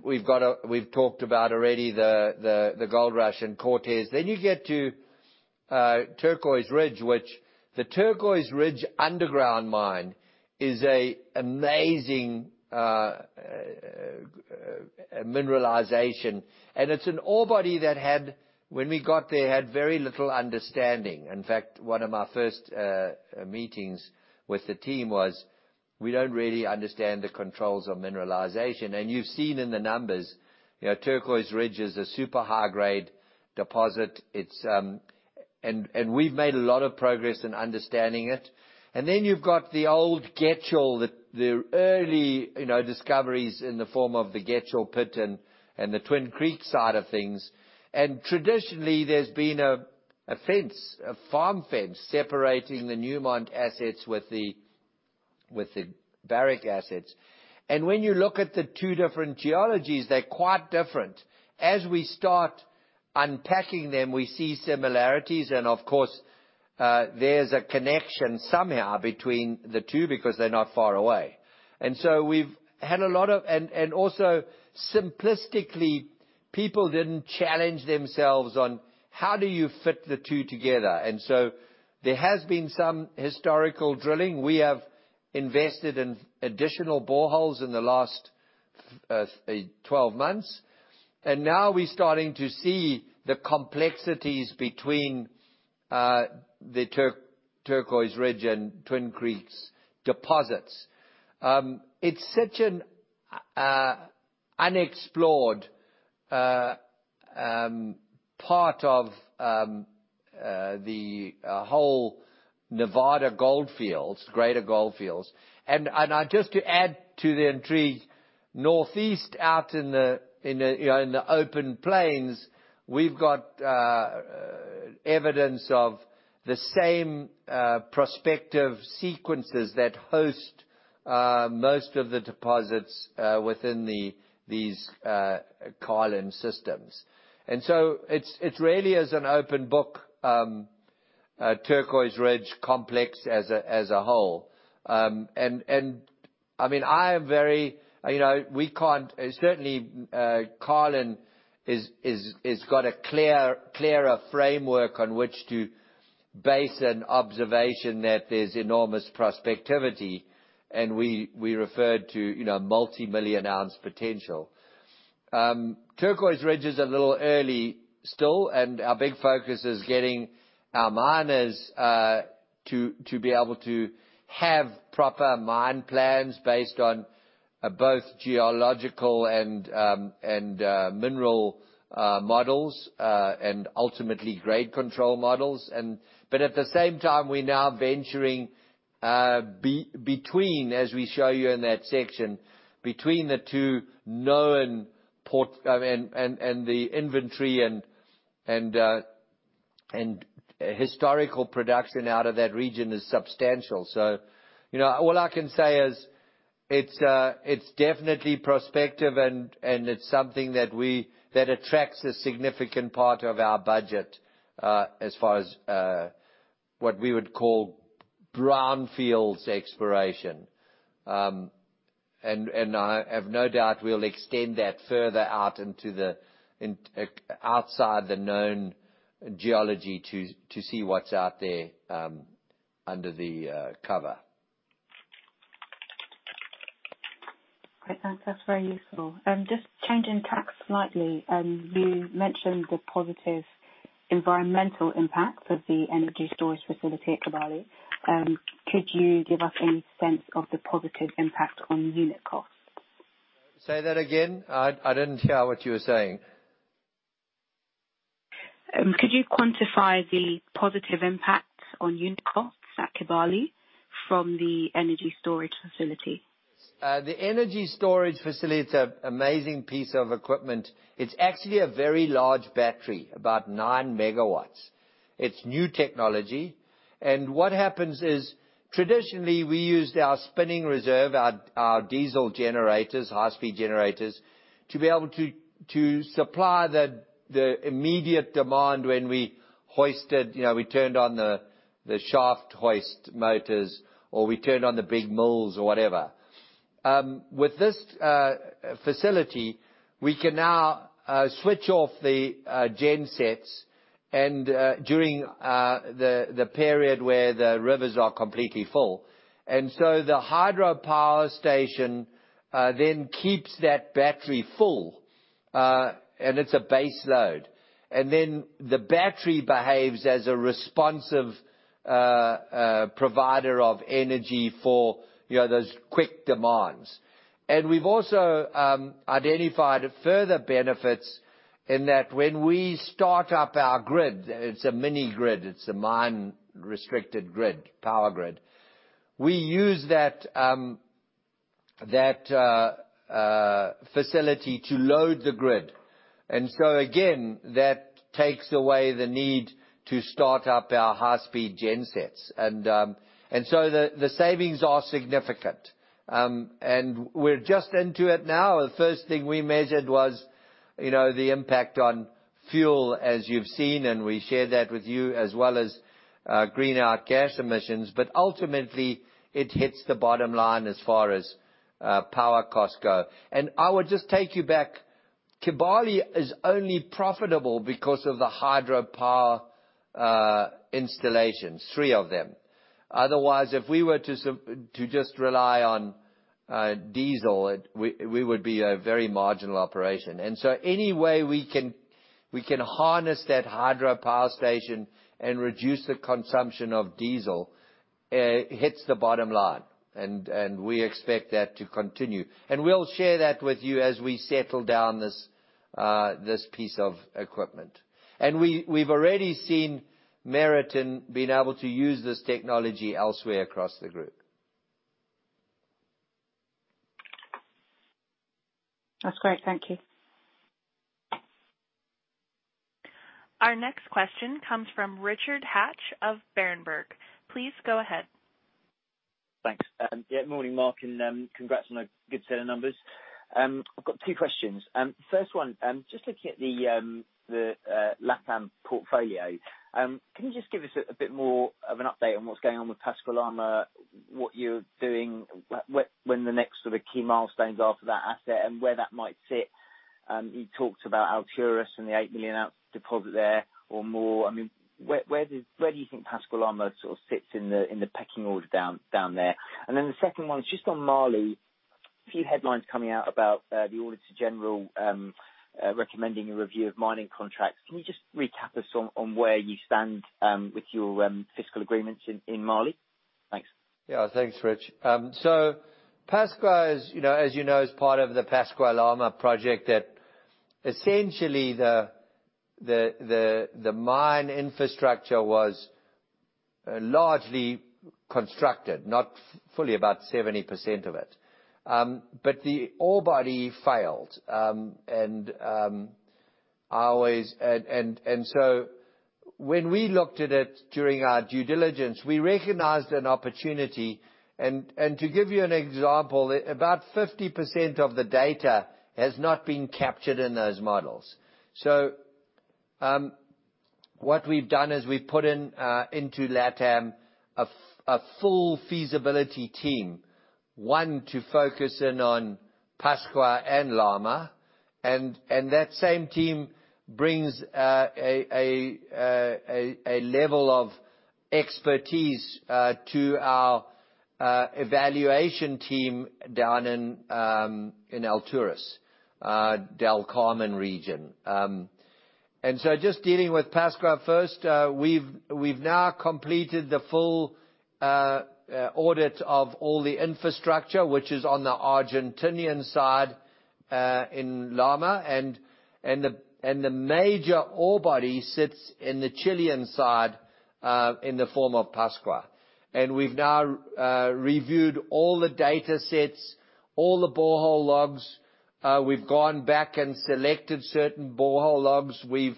We've talked about already the Goldrush and Cortez. You get to Turquoise Ridge, which the Turquoise Ridge underground mine is a amazing mineralization, and it's an ore body that when we got there, had very little understanding. In fact, one of my first meetings with the team was, we don't really understand the controls of mineralization. You've seen in the numbers, Turquoise Ridge is a super high-grade deposit. We've made a lot of progress in understanding it. You've got the old Getchell, the early discoveries in the form of the Getchell pit and the Twin Creeks side of things. Traditionally, there's been a fence, a farm fence separating the Newmont assets with the Barrick assets. When you look at the two different geologies, they're quite different. As we start unpacking them, we see similarities and, of course, there's a connection somehow between the two because they're not far away. Simplistically, people didn't challenge themselves on how do you fit the two together. There has been some historical drilling. We have invested in additional boreholes in the last 12 months, and now we're starting to see the complexities between the Turquoise Ridge and Twin Creeks deposits. It's such an unexplored part of the whole Nevada goldfields, greater goldfields. Just to add to the intrigue, northeast out in the open plains, we've got evidence of the same prospective sequences that host most of the deposits within these Carlin systems. It really is an open book, Turquoise Ridge complex as a whole. Certainly, Carlin has got a clearer framework on which to base an observation that there's enormous prospectivity, and we referred to multimillion ounce potential. Turquoise Ridge is a little early still. Our big focus is getting our miners to be able to have proper mine plans based on both geological and mineral models, and ultimately grade control models. At the same time, we're now venturing, as we show you in that section, and the inventory and historical production out of that region is substantial. All I can say is it's definitely prospective, and it's something that attracts a significant part of our budget, as far as what we would call brownfields exploration. I have no doubt we'll extend that further out into the outside the known geology to see what's out there under the cover.
Great. That's very useful. Just changing tacks slightly, you mentioned the positive environmental impact of the energy storage facility at Kibali. Could you give us any sense of the positive impact on unit costs?
Say that again. I didn't hear what you were saying.
Could you quantify the positive impact on unit costs at Kibali from the energy storage facility?
The energy storage facility, it's a amazing piece of equipment. It's actually a very large battery, about 9 MW. It's new technology. What happens is, traditionally, we used our spinning reserve, our diesel generators, high-speed generators, to be able to supply the immediate demand when we turned on the shaft hoist motors, or we turned on the big mills or whatever. With this facility, we can now switch off the gen sets during the period where the rivers are completely full. The hydropower station then keeps that battery full, and it's a base load. The battery behaves as a responsive provider of energy for those quick demands. We've also identified further benefits in that when we start up our grid, it's a mini grid, it's a mine-restricted grid, power grid. We use that facility to load the grid. Again, that takes away the need to start up our high-speed gen sets. The savings are significant. We're just into it now. The first thing we measured was the impact on fuel, as you've seen, and we share that with you, as well as greenhouse gas emissions. Ultimately, it hits the bottom line as far as power costs go. I would just take you back. Kibali is only profitable because of the hydropower installations, three of them. Otherwise, if we were to just rely on diesel, we would be a very marginal operation. Any way we can harness that hydropower station and reduce the consumption of diesel hits the bottom line. We expect that to continue. We'll share that with you as we settle down this piece of equipment. We've already seen merit in being able to use this technology elsewhere across the group.
That's great. Thank you.
Our next question comes from Richard Hatch of Berenberg. Please go ahead.
Thanks. Yeah, morning, Mark, congrats on a good set of numbers. I've got two questions. First one, just looking at the LatAm portfolio, can you just give us a bit more of an update on what's going on with Pascua-Lama, what you're doing, when the next sort of key milestones are for that asset, and where that might fit? You talked about Alturas and the 8-million-ounce deposit there or more. Where do you think Pascua-Lama sort of sits in the pecking order down there? Then the second one is just on Mali. A few headlines coming out about the Auditor General recommending a review of mining contracts. Can you just recap us on where you stand with your fiscal agreements in Mali? Thanks.
Yeah. Thanks, Rich. Pascua, as you know, is part of the Pascua-Lama project that essentially the mine infrastructure was largely constructed, not fully, about 70% of it. The ore body failed. When we looked at it during our due diligence, we recognized an opportunity. To give you an example, about 50% of the data has not been captured in those models. What we've done is we've put into LatAm a full feasibility team, one to focus in on Pascua and Lama. That same team brings a level of expertise to our evaluation team down in Alturas-Del Carmen region. Just dealing with Pascua first, we've now completed the full audit of all the infrastructure, which is on the Argentinian side in Lama. The major ore body sits in the Chilean side in the form of Pascua. We've now reviewed all the data sets, all the borehole logs. We've gone back and selected certain borehole logs. We've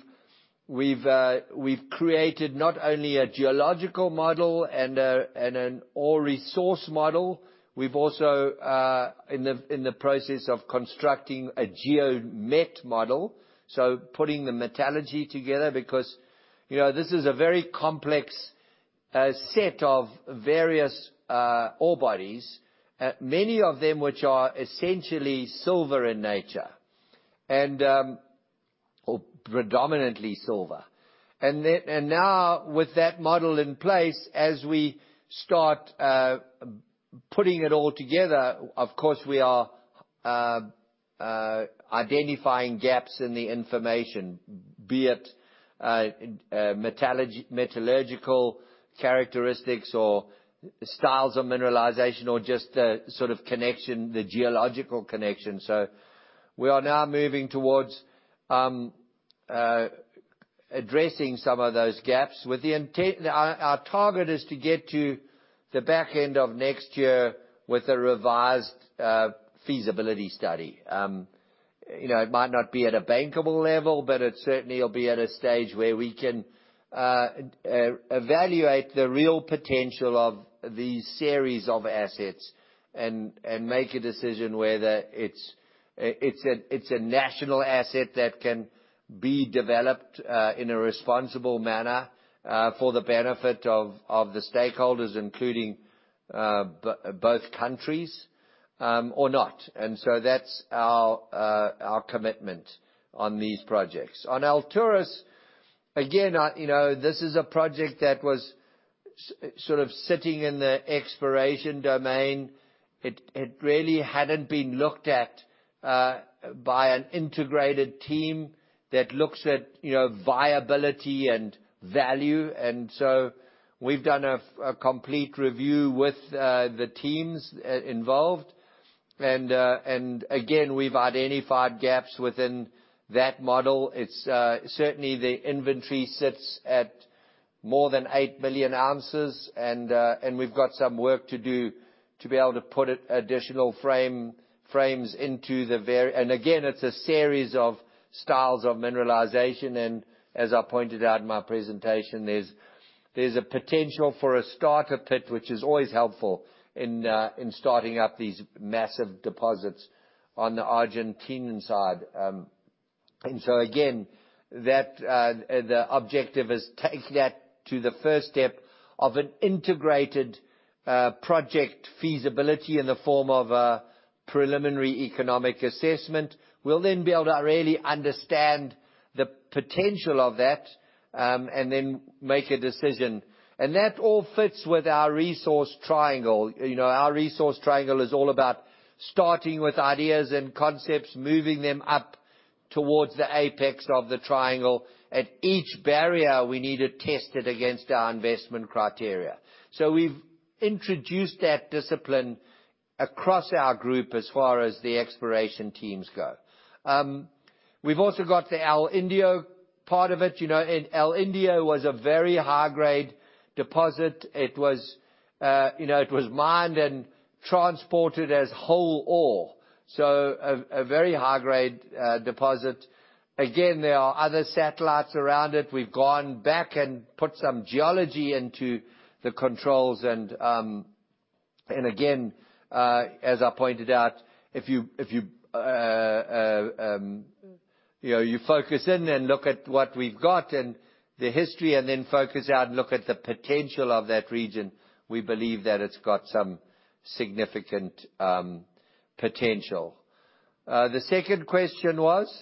created not only a geological model and an ore resource model, we've also are in the process of constructing a geomet model, so putting the metallurgy together because this is a very complex set of various ore bodies, many of them which are essentially silver in nature or predominantly silver. Now with that model in place, as we start putting it all together, of course, we are identifying gaps in the information, be it metallurgical characteristics or styles of mineralization or just the sort of connection, the geological connection. We are now moving towards addressing some of those gaps with the intent, our target is to get to the back end of next year with a revised feasibility study. It might not be at a bankable level, but it certainly will be at a stage where we can evaluate the real potential of these series of assets and make a decision whether it's a national asset that can be developed in a responsible manner for the benefit of the stakeholders, including both countries or not. That's our commitment on these projects. On Alturas, again, this is a project that was sort of sitting in the exploration domain. It really hadn't been looked at by an integrated team that looks at viability and value. We've done a complete review with the teams involved. Again, we've identified gaps within that model. Certainly, the inventory sits at more than 8-billion-ounces. We've got some work to do to be able to put additional frames. Again, it's a series of styles of mineralization. As I pointed out in my presentation, there's a potential for a starter pit, which is always helpful in starting up these massive deposits on the Argentinian side. Again, the objective is take that to the first step of an integrated project feasibility in the form of a preliminary economic assessment. We'll be able to really understand the potential of that, and then make a decision. That all fits with our resource triangle. Our resource triangle is all about starting with ideas and concepts, moving them up towards the apex of the triangle. At each barrier, we need to test it against our investment criteria. We've introduced that discipline across our group as far as the exploration teams go. We've also got the El Indio part of it. El Indio was a very high-grade deposit. It was mined and transported as whole ore, so a very high-grade deposit. Again, there are other satellites around it. We've gone back and put some geology into the controls. Again, as I pointed out, if you focus in and look at what we've got and the history, and then focus out and look at the potential of that region, we believe that it's got some significant potential. The second question was?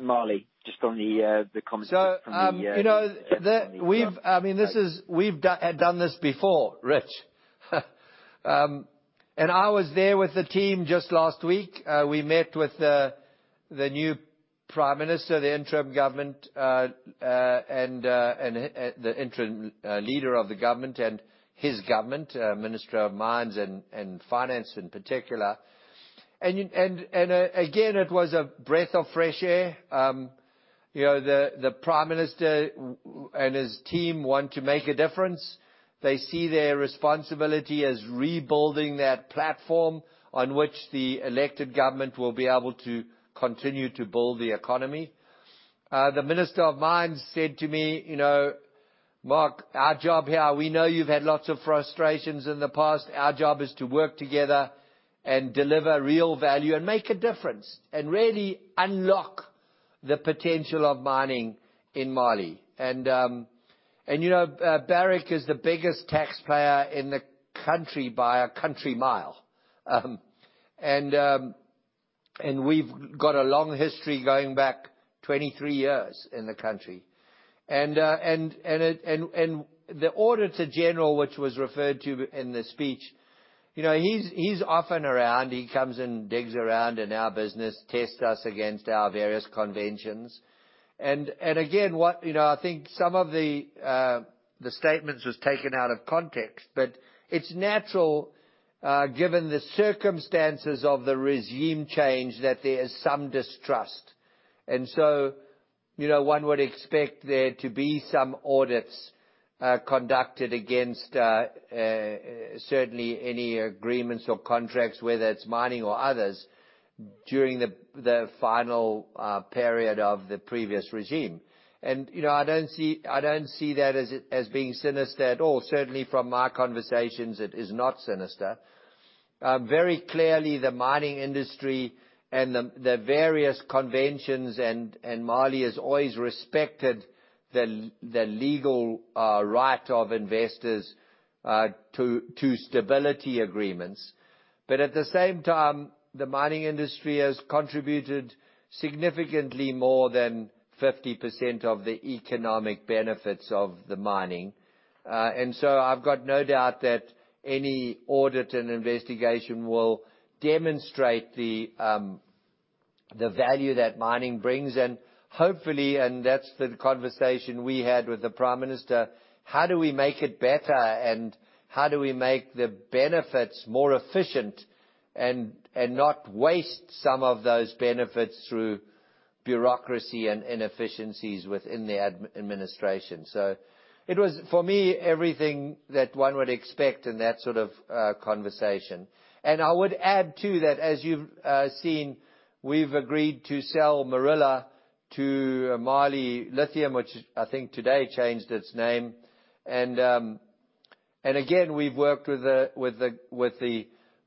Mali, just on the comments from the...
We've done this before, Rich. I was there with the team just last week. We met with the new Prime Minister, the interim leader of the government and his government, Minister of Mines and Finance in particular. Again, it was a breath of fresh air. The Prime Minister and his team want to make a difference. They see their responsibility as rebuilding that platform on which the elected government will be able to continue to build the economy. The Minister of Mines said to me, "Mark, our job here, we know you've had lots of frustrations in the past. Our job is to work together and deliver real value, and make a difference, and really unlock the potential of mining in Mali." Barrick is the biggest taxpayer in the country by a country mile. We've got a long history going back 23 years in the country. The Auditor General, which was referred to in the speech, he's often around. He comes and digs around in our business, tests us against our various conventions. Again, I think some of the statements was taken out of context, but it's natural, given the circumstances of the regime change, that there is some distrust. One would expect there to be some audits conducted against certainly any agreements or contracts, whether it's mining or others, during the final period of the previous regime. I don't see that as being sinister at all. Certainly from my conversations, it is not sinister. Very clearly, the mining industry and the various conventions and Mali has always respected the legal right of investors to stability agreements. At the same time, the mining industry has contributed significantly more than 50% of the economic benefits of the mining. I've got no doubt that any audit and investigation will demonstrate the value that mining brings, and hopefully, and that's the conversation we had with the Prime Minister, how do we make it better and how do we make the benefits more efficient and not waste some of those benefits through bureaucracy and inefficiencies within the administration? It was, for me, everything that one would expect in that sort of conversation. I would add, too, that as you've seen, we've agreed to sell Morila to Mali Lithium, which I think today changed its name. Again, we've worked with the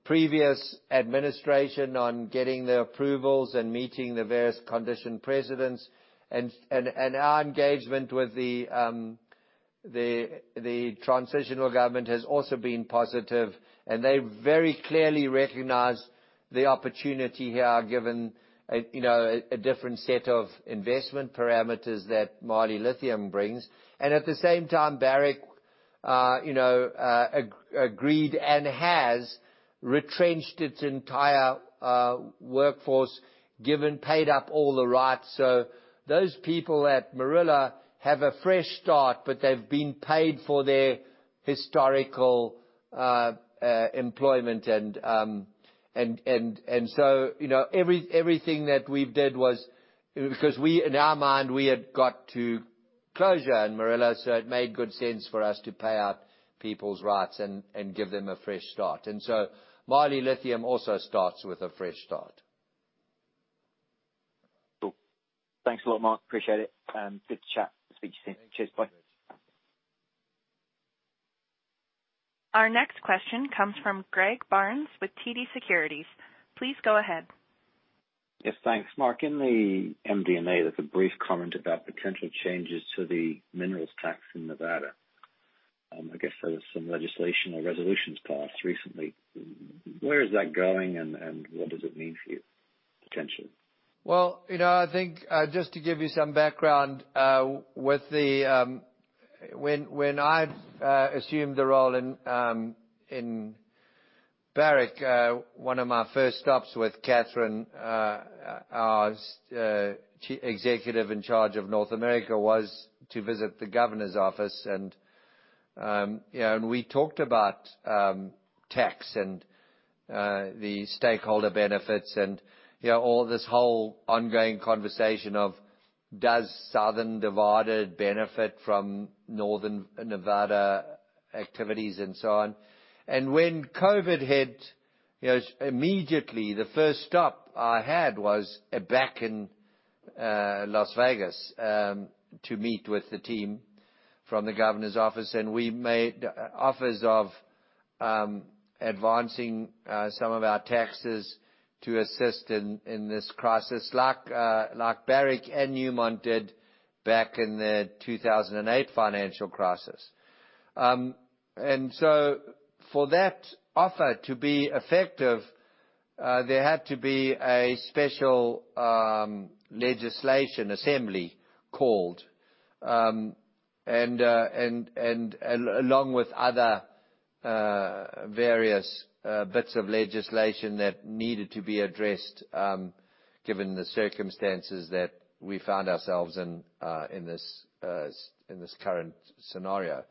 previous administration on getting the approvals and meeting the various condition precedents. Our engagement with the transitional government has also been positive, and they very clearly recognize the opportunity here, given a different set of investment parameters that Mali Lithium brings. At the same time, Barrick agreed and has retrenched its entire workforce, paid up all the rights. Those people at Morila have a fresh start, but they've been paid for their historical employment. Everything that we did was because in our mind, we had got to closure in Morila, so it made good sense for us to pay out people's rights and give them a fresh start. Mali Lithium also starts with a fresh start.
Cool. Thanks a lot, Mark. Appreciate it. Good to chat and speak to you soon. Cheers. Bye.
Our next question comes from Greg Barnes with TD Securities. Please go ahead.
Yes. Thanks, Mark. In the MD&A, there's a brief comment about potential changes to the minerals tax in Nevada. I guess there was some legislation or resolutions passed recently. Where is that going and what does it mean for you, potentially?
I think just to give you some background, when I assumed the role in Barrick, one of my first stops with Catherine, our executive in charge of North America, was to visit the governor's office, and we talked about tax and the stakeholder benefits and all this whole ongoing conversation of does Southern Nevada benefit from northern Nevada activities and so on. When COVID hit, immediately the first stop I had was back in Las Vegas to meet with the team from the governor's office. We made offers of advancing some of our taxes to assist in this crisis, like Barrick and Newmont did back in the 2008 financial crisis. For that offer to be effective, there had to be a special legislation assembly called, and along with other various bits of legislation that needed to be addressed given the circumstances that we found ourselves in this current scenario.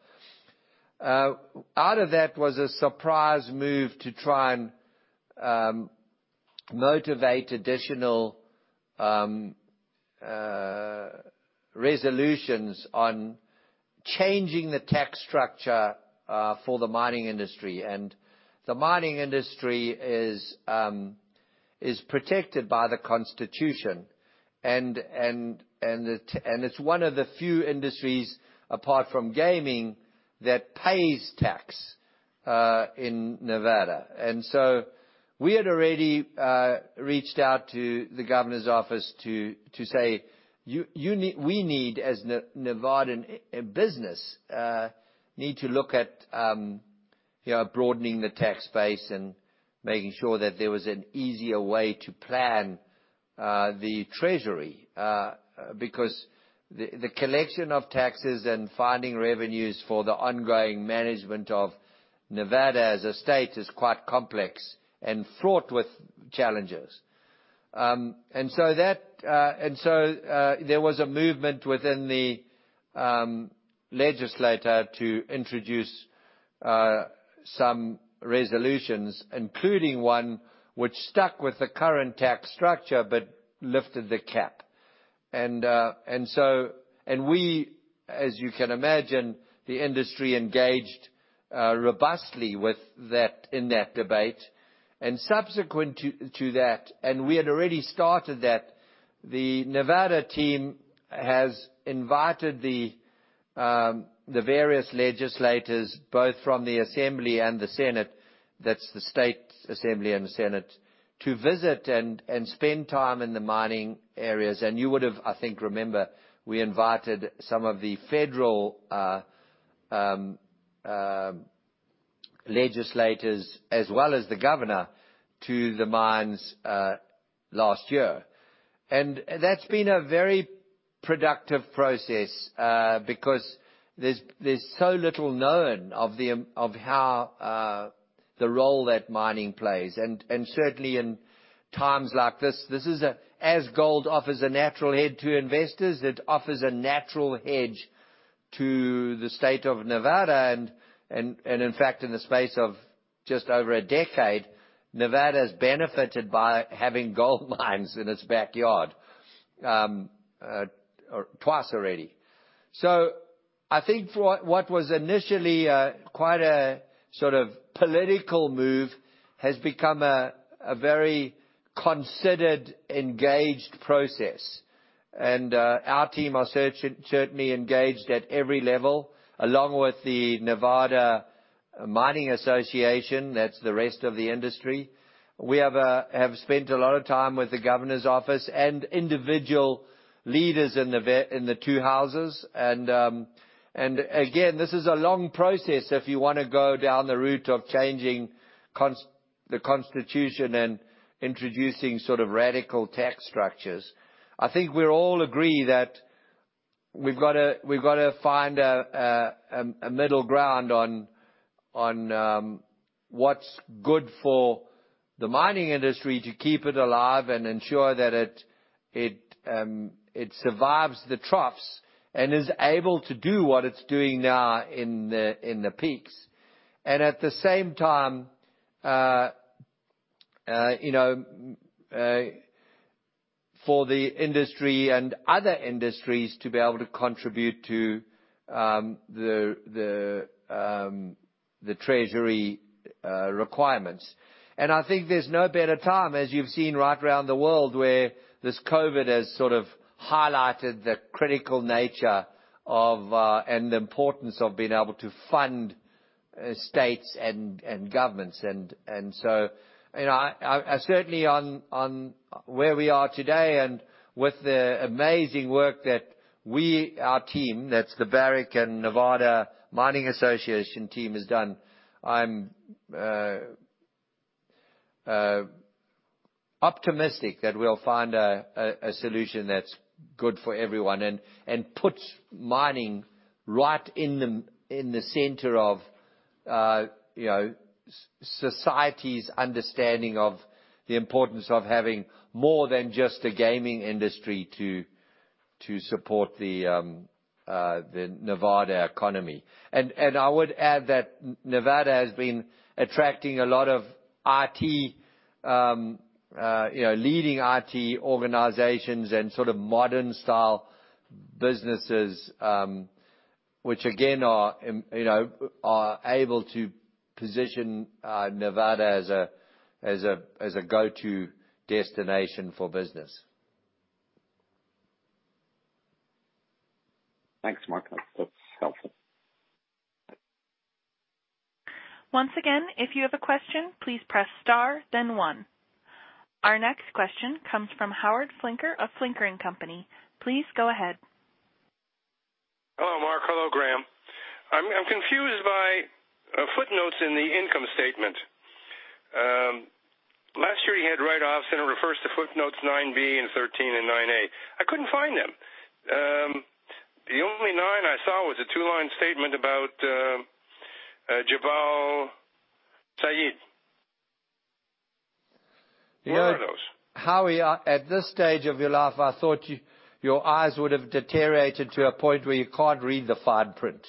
Out of that was a surprise move to try and motivate additional resolutions on changing the tax structure for the mining industry. The mining industry is protected by the Constitution and it's one of the few industries, apart from gaming, that pays tax in Nevada. We had already reached out to the governor's office to say we need, as Nevada business, need to look at broadening the tax base and making sure that there was an easier way to plan the treasury because the collection of taxes and finding revenues for the ongoing management of Nevada as a state is quite complex and fraught with challenges. There was a movement within the legislator to introduce some resolutions, including one which stuck with the current tax structure but lifted the cap. We, as you can imagine, the industry engaged robustly in that debate and subsequent to that, and we had already started that, the Nevada team has invited the various legislators, both from the Assembly and the Senate, that's the State Assembly and the Senate, to visit and spend time in the mining areas. You would have, I think, remember, we invited some of the federal legislators as well as the governor to the mines last year. That's been a very productive process because there's so little known of how the role that mining plays and certainly in times like this, as gold offers a natural hedge to investors, it offers a natural hedge to the state of Nevada and in fact, in the space of just over a decade, Nevada has benefited by having gold mines in its backyard twice already. I think what was initially quite a sort of political move has become a very considered, engaged process. Our team are certainly engaged at every level along with the Nevada Mining Association, that's the rest of the industry. We have spent a lot of time with the governor's office and individual leaders in the two houses. Again, this is a long process if you want to go down the route of changing the constitution and introducing sort of radical tax structures. I think we all agree that we've got to find a middle ground on what's good for the mining industry to keep it alive and ensure that it survives the troughs and is able to do what it's doing now in the peaks. At the same time for the industry and other industries to be able to contribute to the treasury requirements. I think there's no better time, as you've seen right around the world where this COVID has sort of highlighted the critical nature and the importance of being able to fund states and governments. Certainly on where we are today and with the amazing work that we, our team, that's the Barrick and Nevada Mining Association team, has done, I'm optimistic that we'll find a solution that's good for everyone and puts mining right in the center of society's understanding of the importance of having more than just a gaming industry to support the Nevada economy. I would add that Nevada has been attracting a lot of leading IT organizations and sort of modern style businesses, which again are able to position Nevada as a go-to destination for business.
Thanks, Mark. That's helpful.
Once again, if you have a question, please press star then one. Our next question comes from Howard Flinker of Flinker and Company. Please go ahead.
Hello, Mark. Hello, Graham. I'm confused by footnotes in the income statement. Last year, you had write-offs and it refers to footnotes nine B and 13 and nine A. I couldn't find them. The only nine I saw was a two-line statement about Jabal Sayid. Where are those?
Howie, at this stage of your life, I thought your eyes would have deteriorated to a point where you can't read the fine print.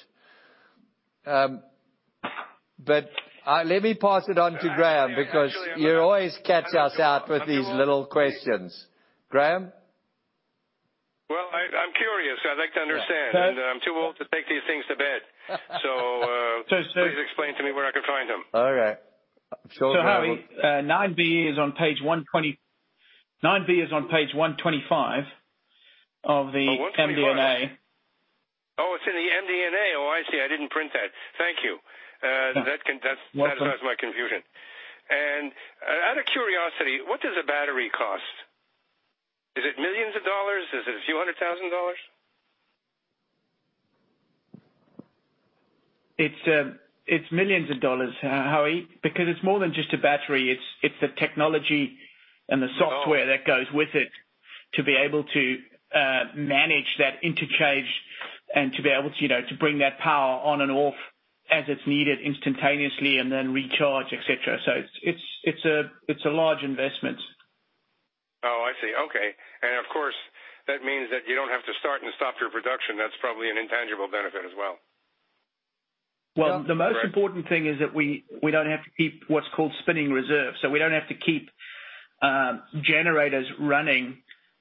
Let me pass it on to Graham, because you always catch us out with these little questions. Graham?
Well, I'm curious. I'd like to understand.
Yeah.
I'm too old to take these things to bed. Please explain to me where I can find them.
All right.
Howie, nine B is on page 125 of the MD&A.
Oh, it's in the MD&A. Oh, I see. I didn't print that. Thank you. That resolves my confusion. Out of curiosity, what does a battery cost? Is it millions of dollars? Is it a few hundred thousand dollars?
It's millions of dollars, Howie, because it's more than just a battery. It's the technology and the software that goes with it to be able to manage that interchange and to be able to bring that power on and off as it's needed instantaneously and then recharge, et cetera. It's a large investment.
Oh, I see. Okay. Of course, that means that you don't have to start and stop your production. That's probably an intangible benefit as well.
The most important thing is that we don't have to keep what's called spinning reserves. We don't have to keep generators running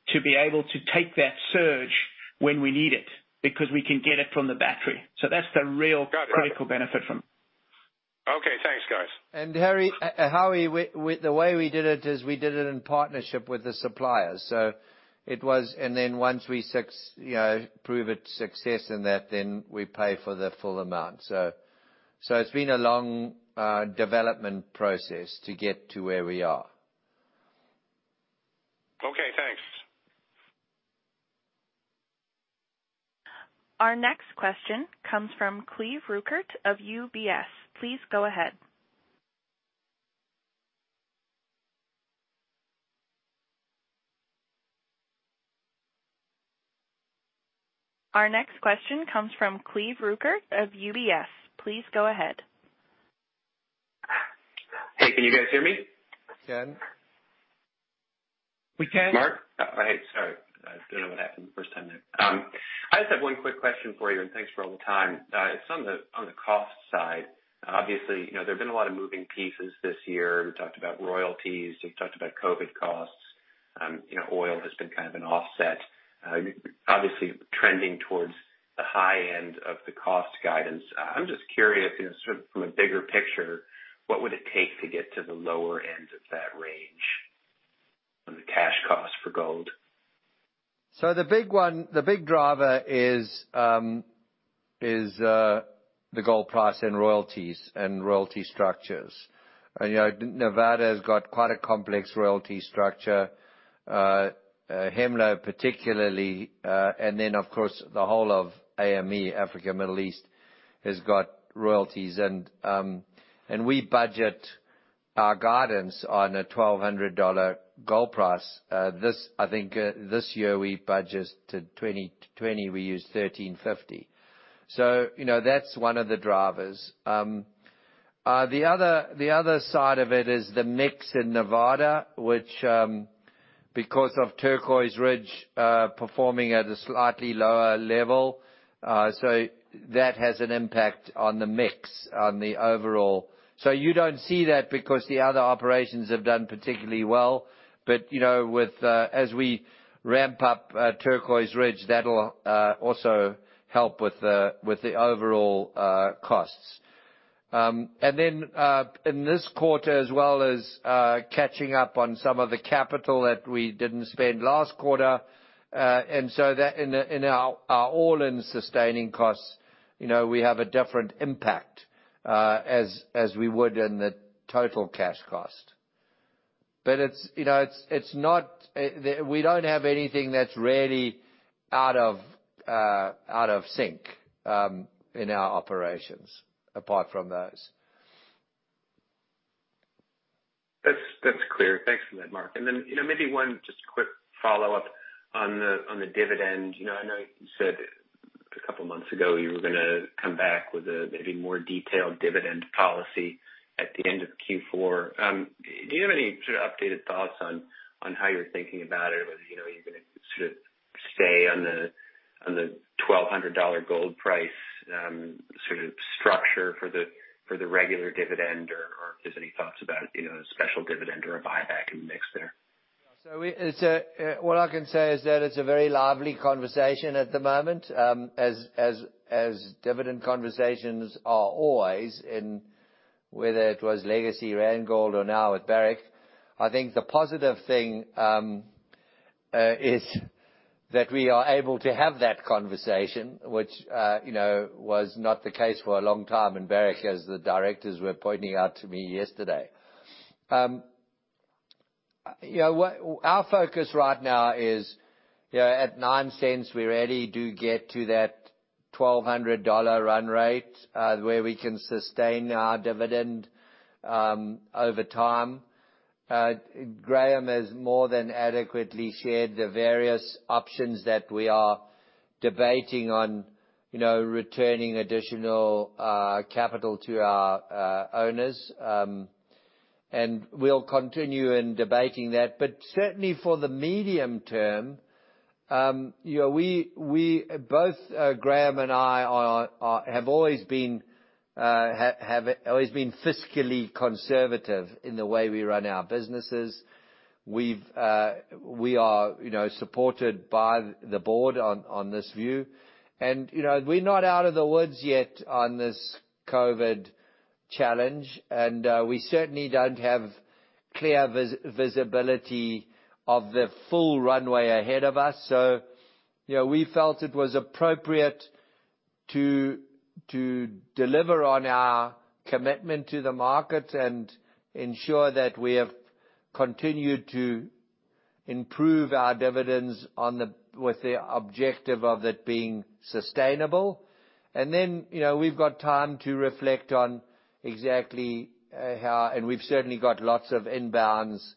to be able to take that surge when we need it, because we can get it from the battery. That's the real critical benefit from it.
Okay, thanks, guys.
Howie, the way we did it is we did it in partnership with the suppliers. Once we prove its success in that, then we pay for the full amount. It's been a long development process to get to where we are.
Okay, thanks.
Our next question comes from Myles Walton of UBS. Please go ahead.
Hey, can you guys hear me?
We can.
We can.
Mark? Hey, sorry. I don't know what happened the first time there. I just have one quick question for you, and thanks for all the time. It's on the cost side. Obviously, there've been a lot of moving pieces this year. We talked about royalties; we've talked about COVID costs. Oil has been kind of an offset. Obviously trending towards the high end of the cost guidance. I'm just curious, sort of from a bigger picture, what would it take to get to the lower end of that range on the cash cost for gold?
The big driver is the gold price and royalties and royalty structures. Nevada has got quite a complex royalty structure. Hemlo particularly, of course, the whole of AME, Africa Middle East, has got royalties. We budget our guidance on a $1,200 gold price. I think this year we budgeted 2020, we used $1,350. That's one of the drivers. The other side of it is the mix in Nevada, which because of Turquoise Ridge performing at a slightly lower level, that has an impact on the mix on the overall. You don't see that because the other operations have done particularly well. As we ramp up Turquoise Ridge, that'll also help with the overall costs. In this quarter as well as catching up on some of the capital that we didn't spend last quarter. That in our all-in sustaining costs, we have a different impact, as we would in the total cash cost. We don't have anything that's really out of sync in our operations, apart from those.
That's clear. Thanks for that, Mark. Then maybe one just quick follow-up on the dividend. I know you said a couple of months ago you were going to come back with a maybe more detailed dividend policy at the end of Q4. Do you have any sort of updated thoughts on how you're thinking about it, whether you're going to sort of stay on the $1,200 gold price, sort of structure for the regular dividend or if there's any thoughts about a special dividend or a buyback in the mix there?
All I can say is that it's a very lively conversation at the moment. As dividend conversations are always in, whether it was legacy Randgold or now at Barrick, I think the positive thing is that we are able to have that conversation which was not the case for a long time in Barrick, as the directors were pointing out to me yesterday. Our focus right now is at $0.09, we already do get to that $1,200 run rate, where we can sustain our dividend over time. Graham has more than adequately shared the various options that we are debating on returning additional capital to our owners. We'll continue in debating that, but certainly for the medium term, both Graham and I have always been fiscally conservative in the way we run our businesses. We are supported by the board on this view. We're not out of the woods yet on this COVID challenge, and we certainly don't have clear visibility of the full runway ahead of us. We felt it was appropriate to deliver on our commitment to the market and ensure that we have continued to improve our dividends with the objective of it being sustainable. Then we've got time to reflect on exactly how, and we've certainly got lots of inbounds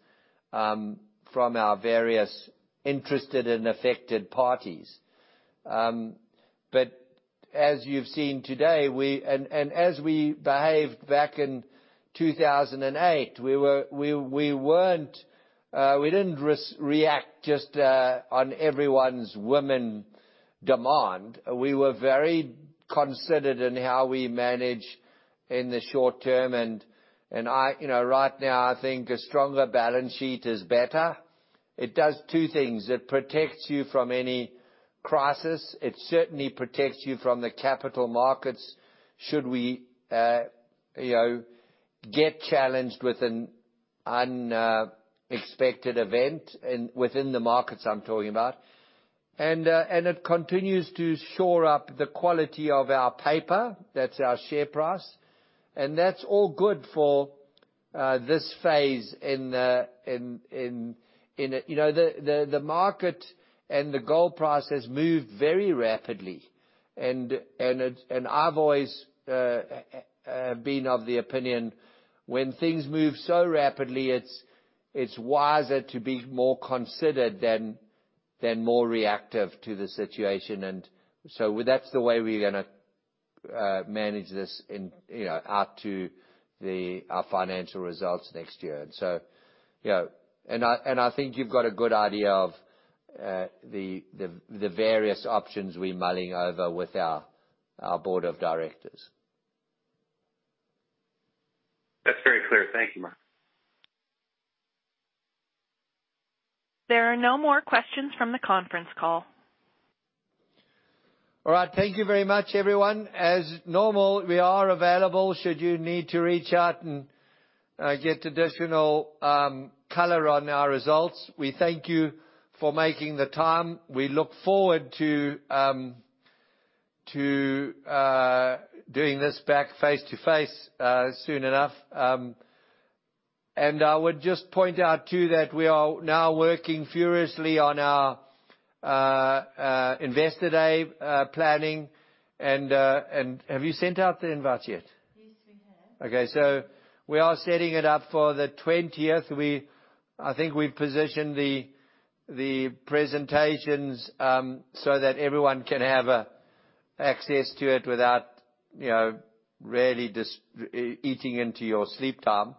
from our various interested and affected parties. As you've seen today, and as we behaved back in 2008, we didn't react just on everyone's demand. We were very considered in how we manage in the short term, and right now, I think a stronger balance sheet is better. It does two things. It protects you from any crisis. It certainly protects you from the capital markets should we get challenged with an unexpected event within the markets I'm talking about. It continues to shore up the quality of our paper, that's our share price, and that's all good for this phase. The market and the gold price has moved very rapidly and I've always been of the opinion when things move so rapidly, it's wiser to be more considered than more reactive to the situation. That's the way we're going to manage this out to our financial results next year. I think you've got a good idea of the various options we're mulling over with our board of directors.
That's very clear. Thank you, Mark.
There are no more questions from the conference call.
All right. Thank you very much, everyone. As normal, we are available should you need to reach out and get additional color on our results. We thank you for making the time. We look forward to doing this back face-to-face soon enough. I would just point out, too, that we are now working furiously on our Investor Day planning and have you sent out the invites yet?
Yes, we have. We are setting it up for the 20th. I think we positioned the presentations so that everyone can have access to it without really eating into your sleep time.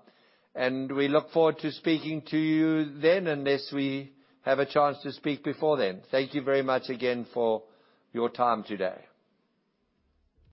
We look forward to speaking to you then, unless we have a chance to speak before then. Thank you very much again for your time today.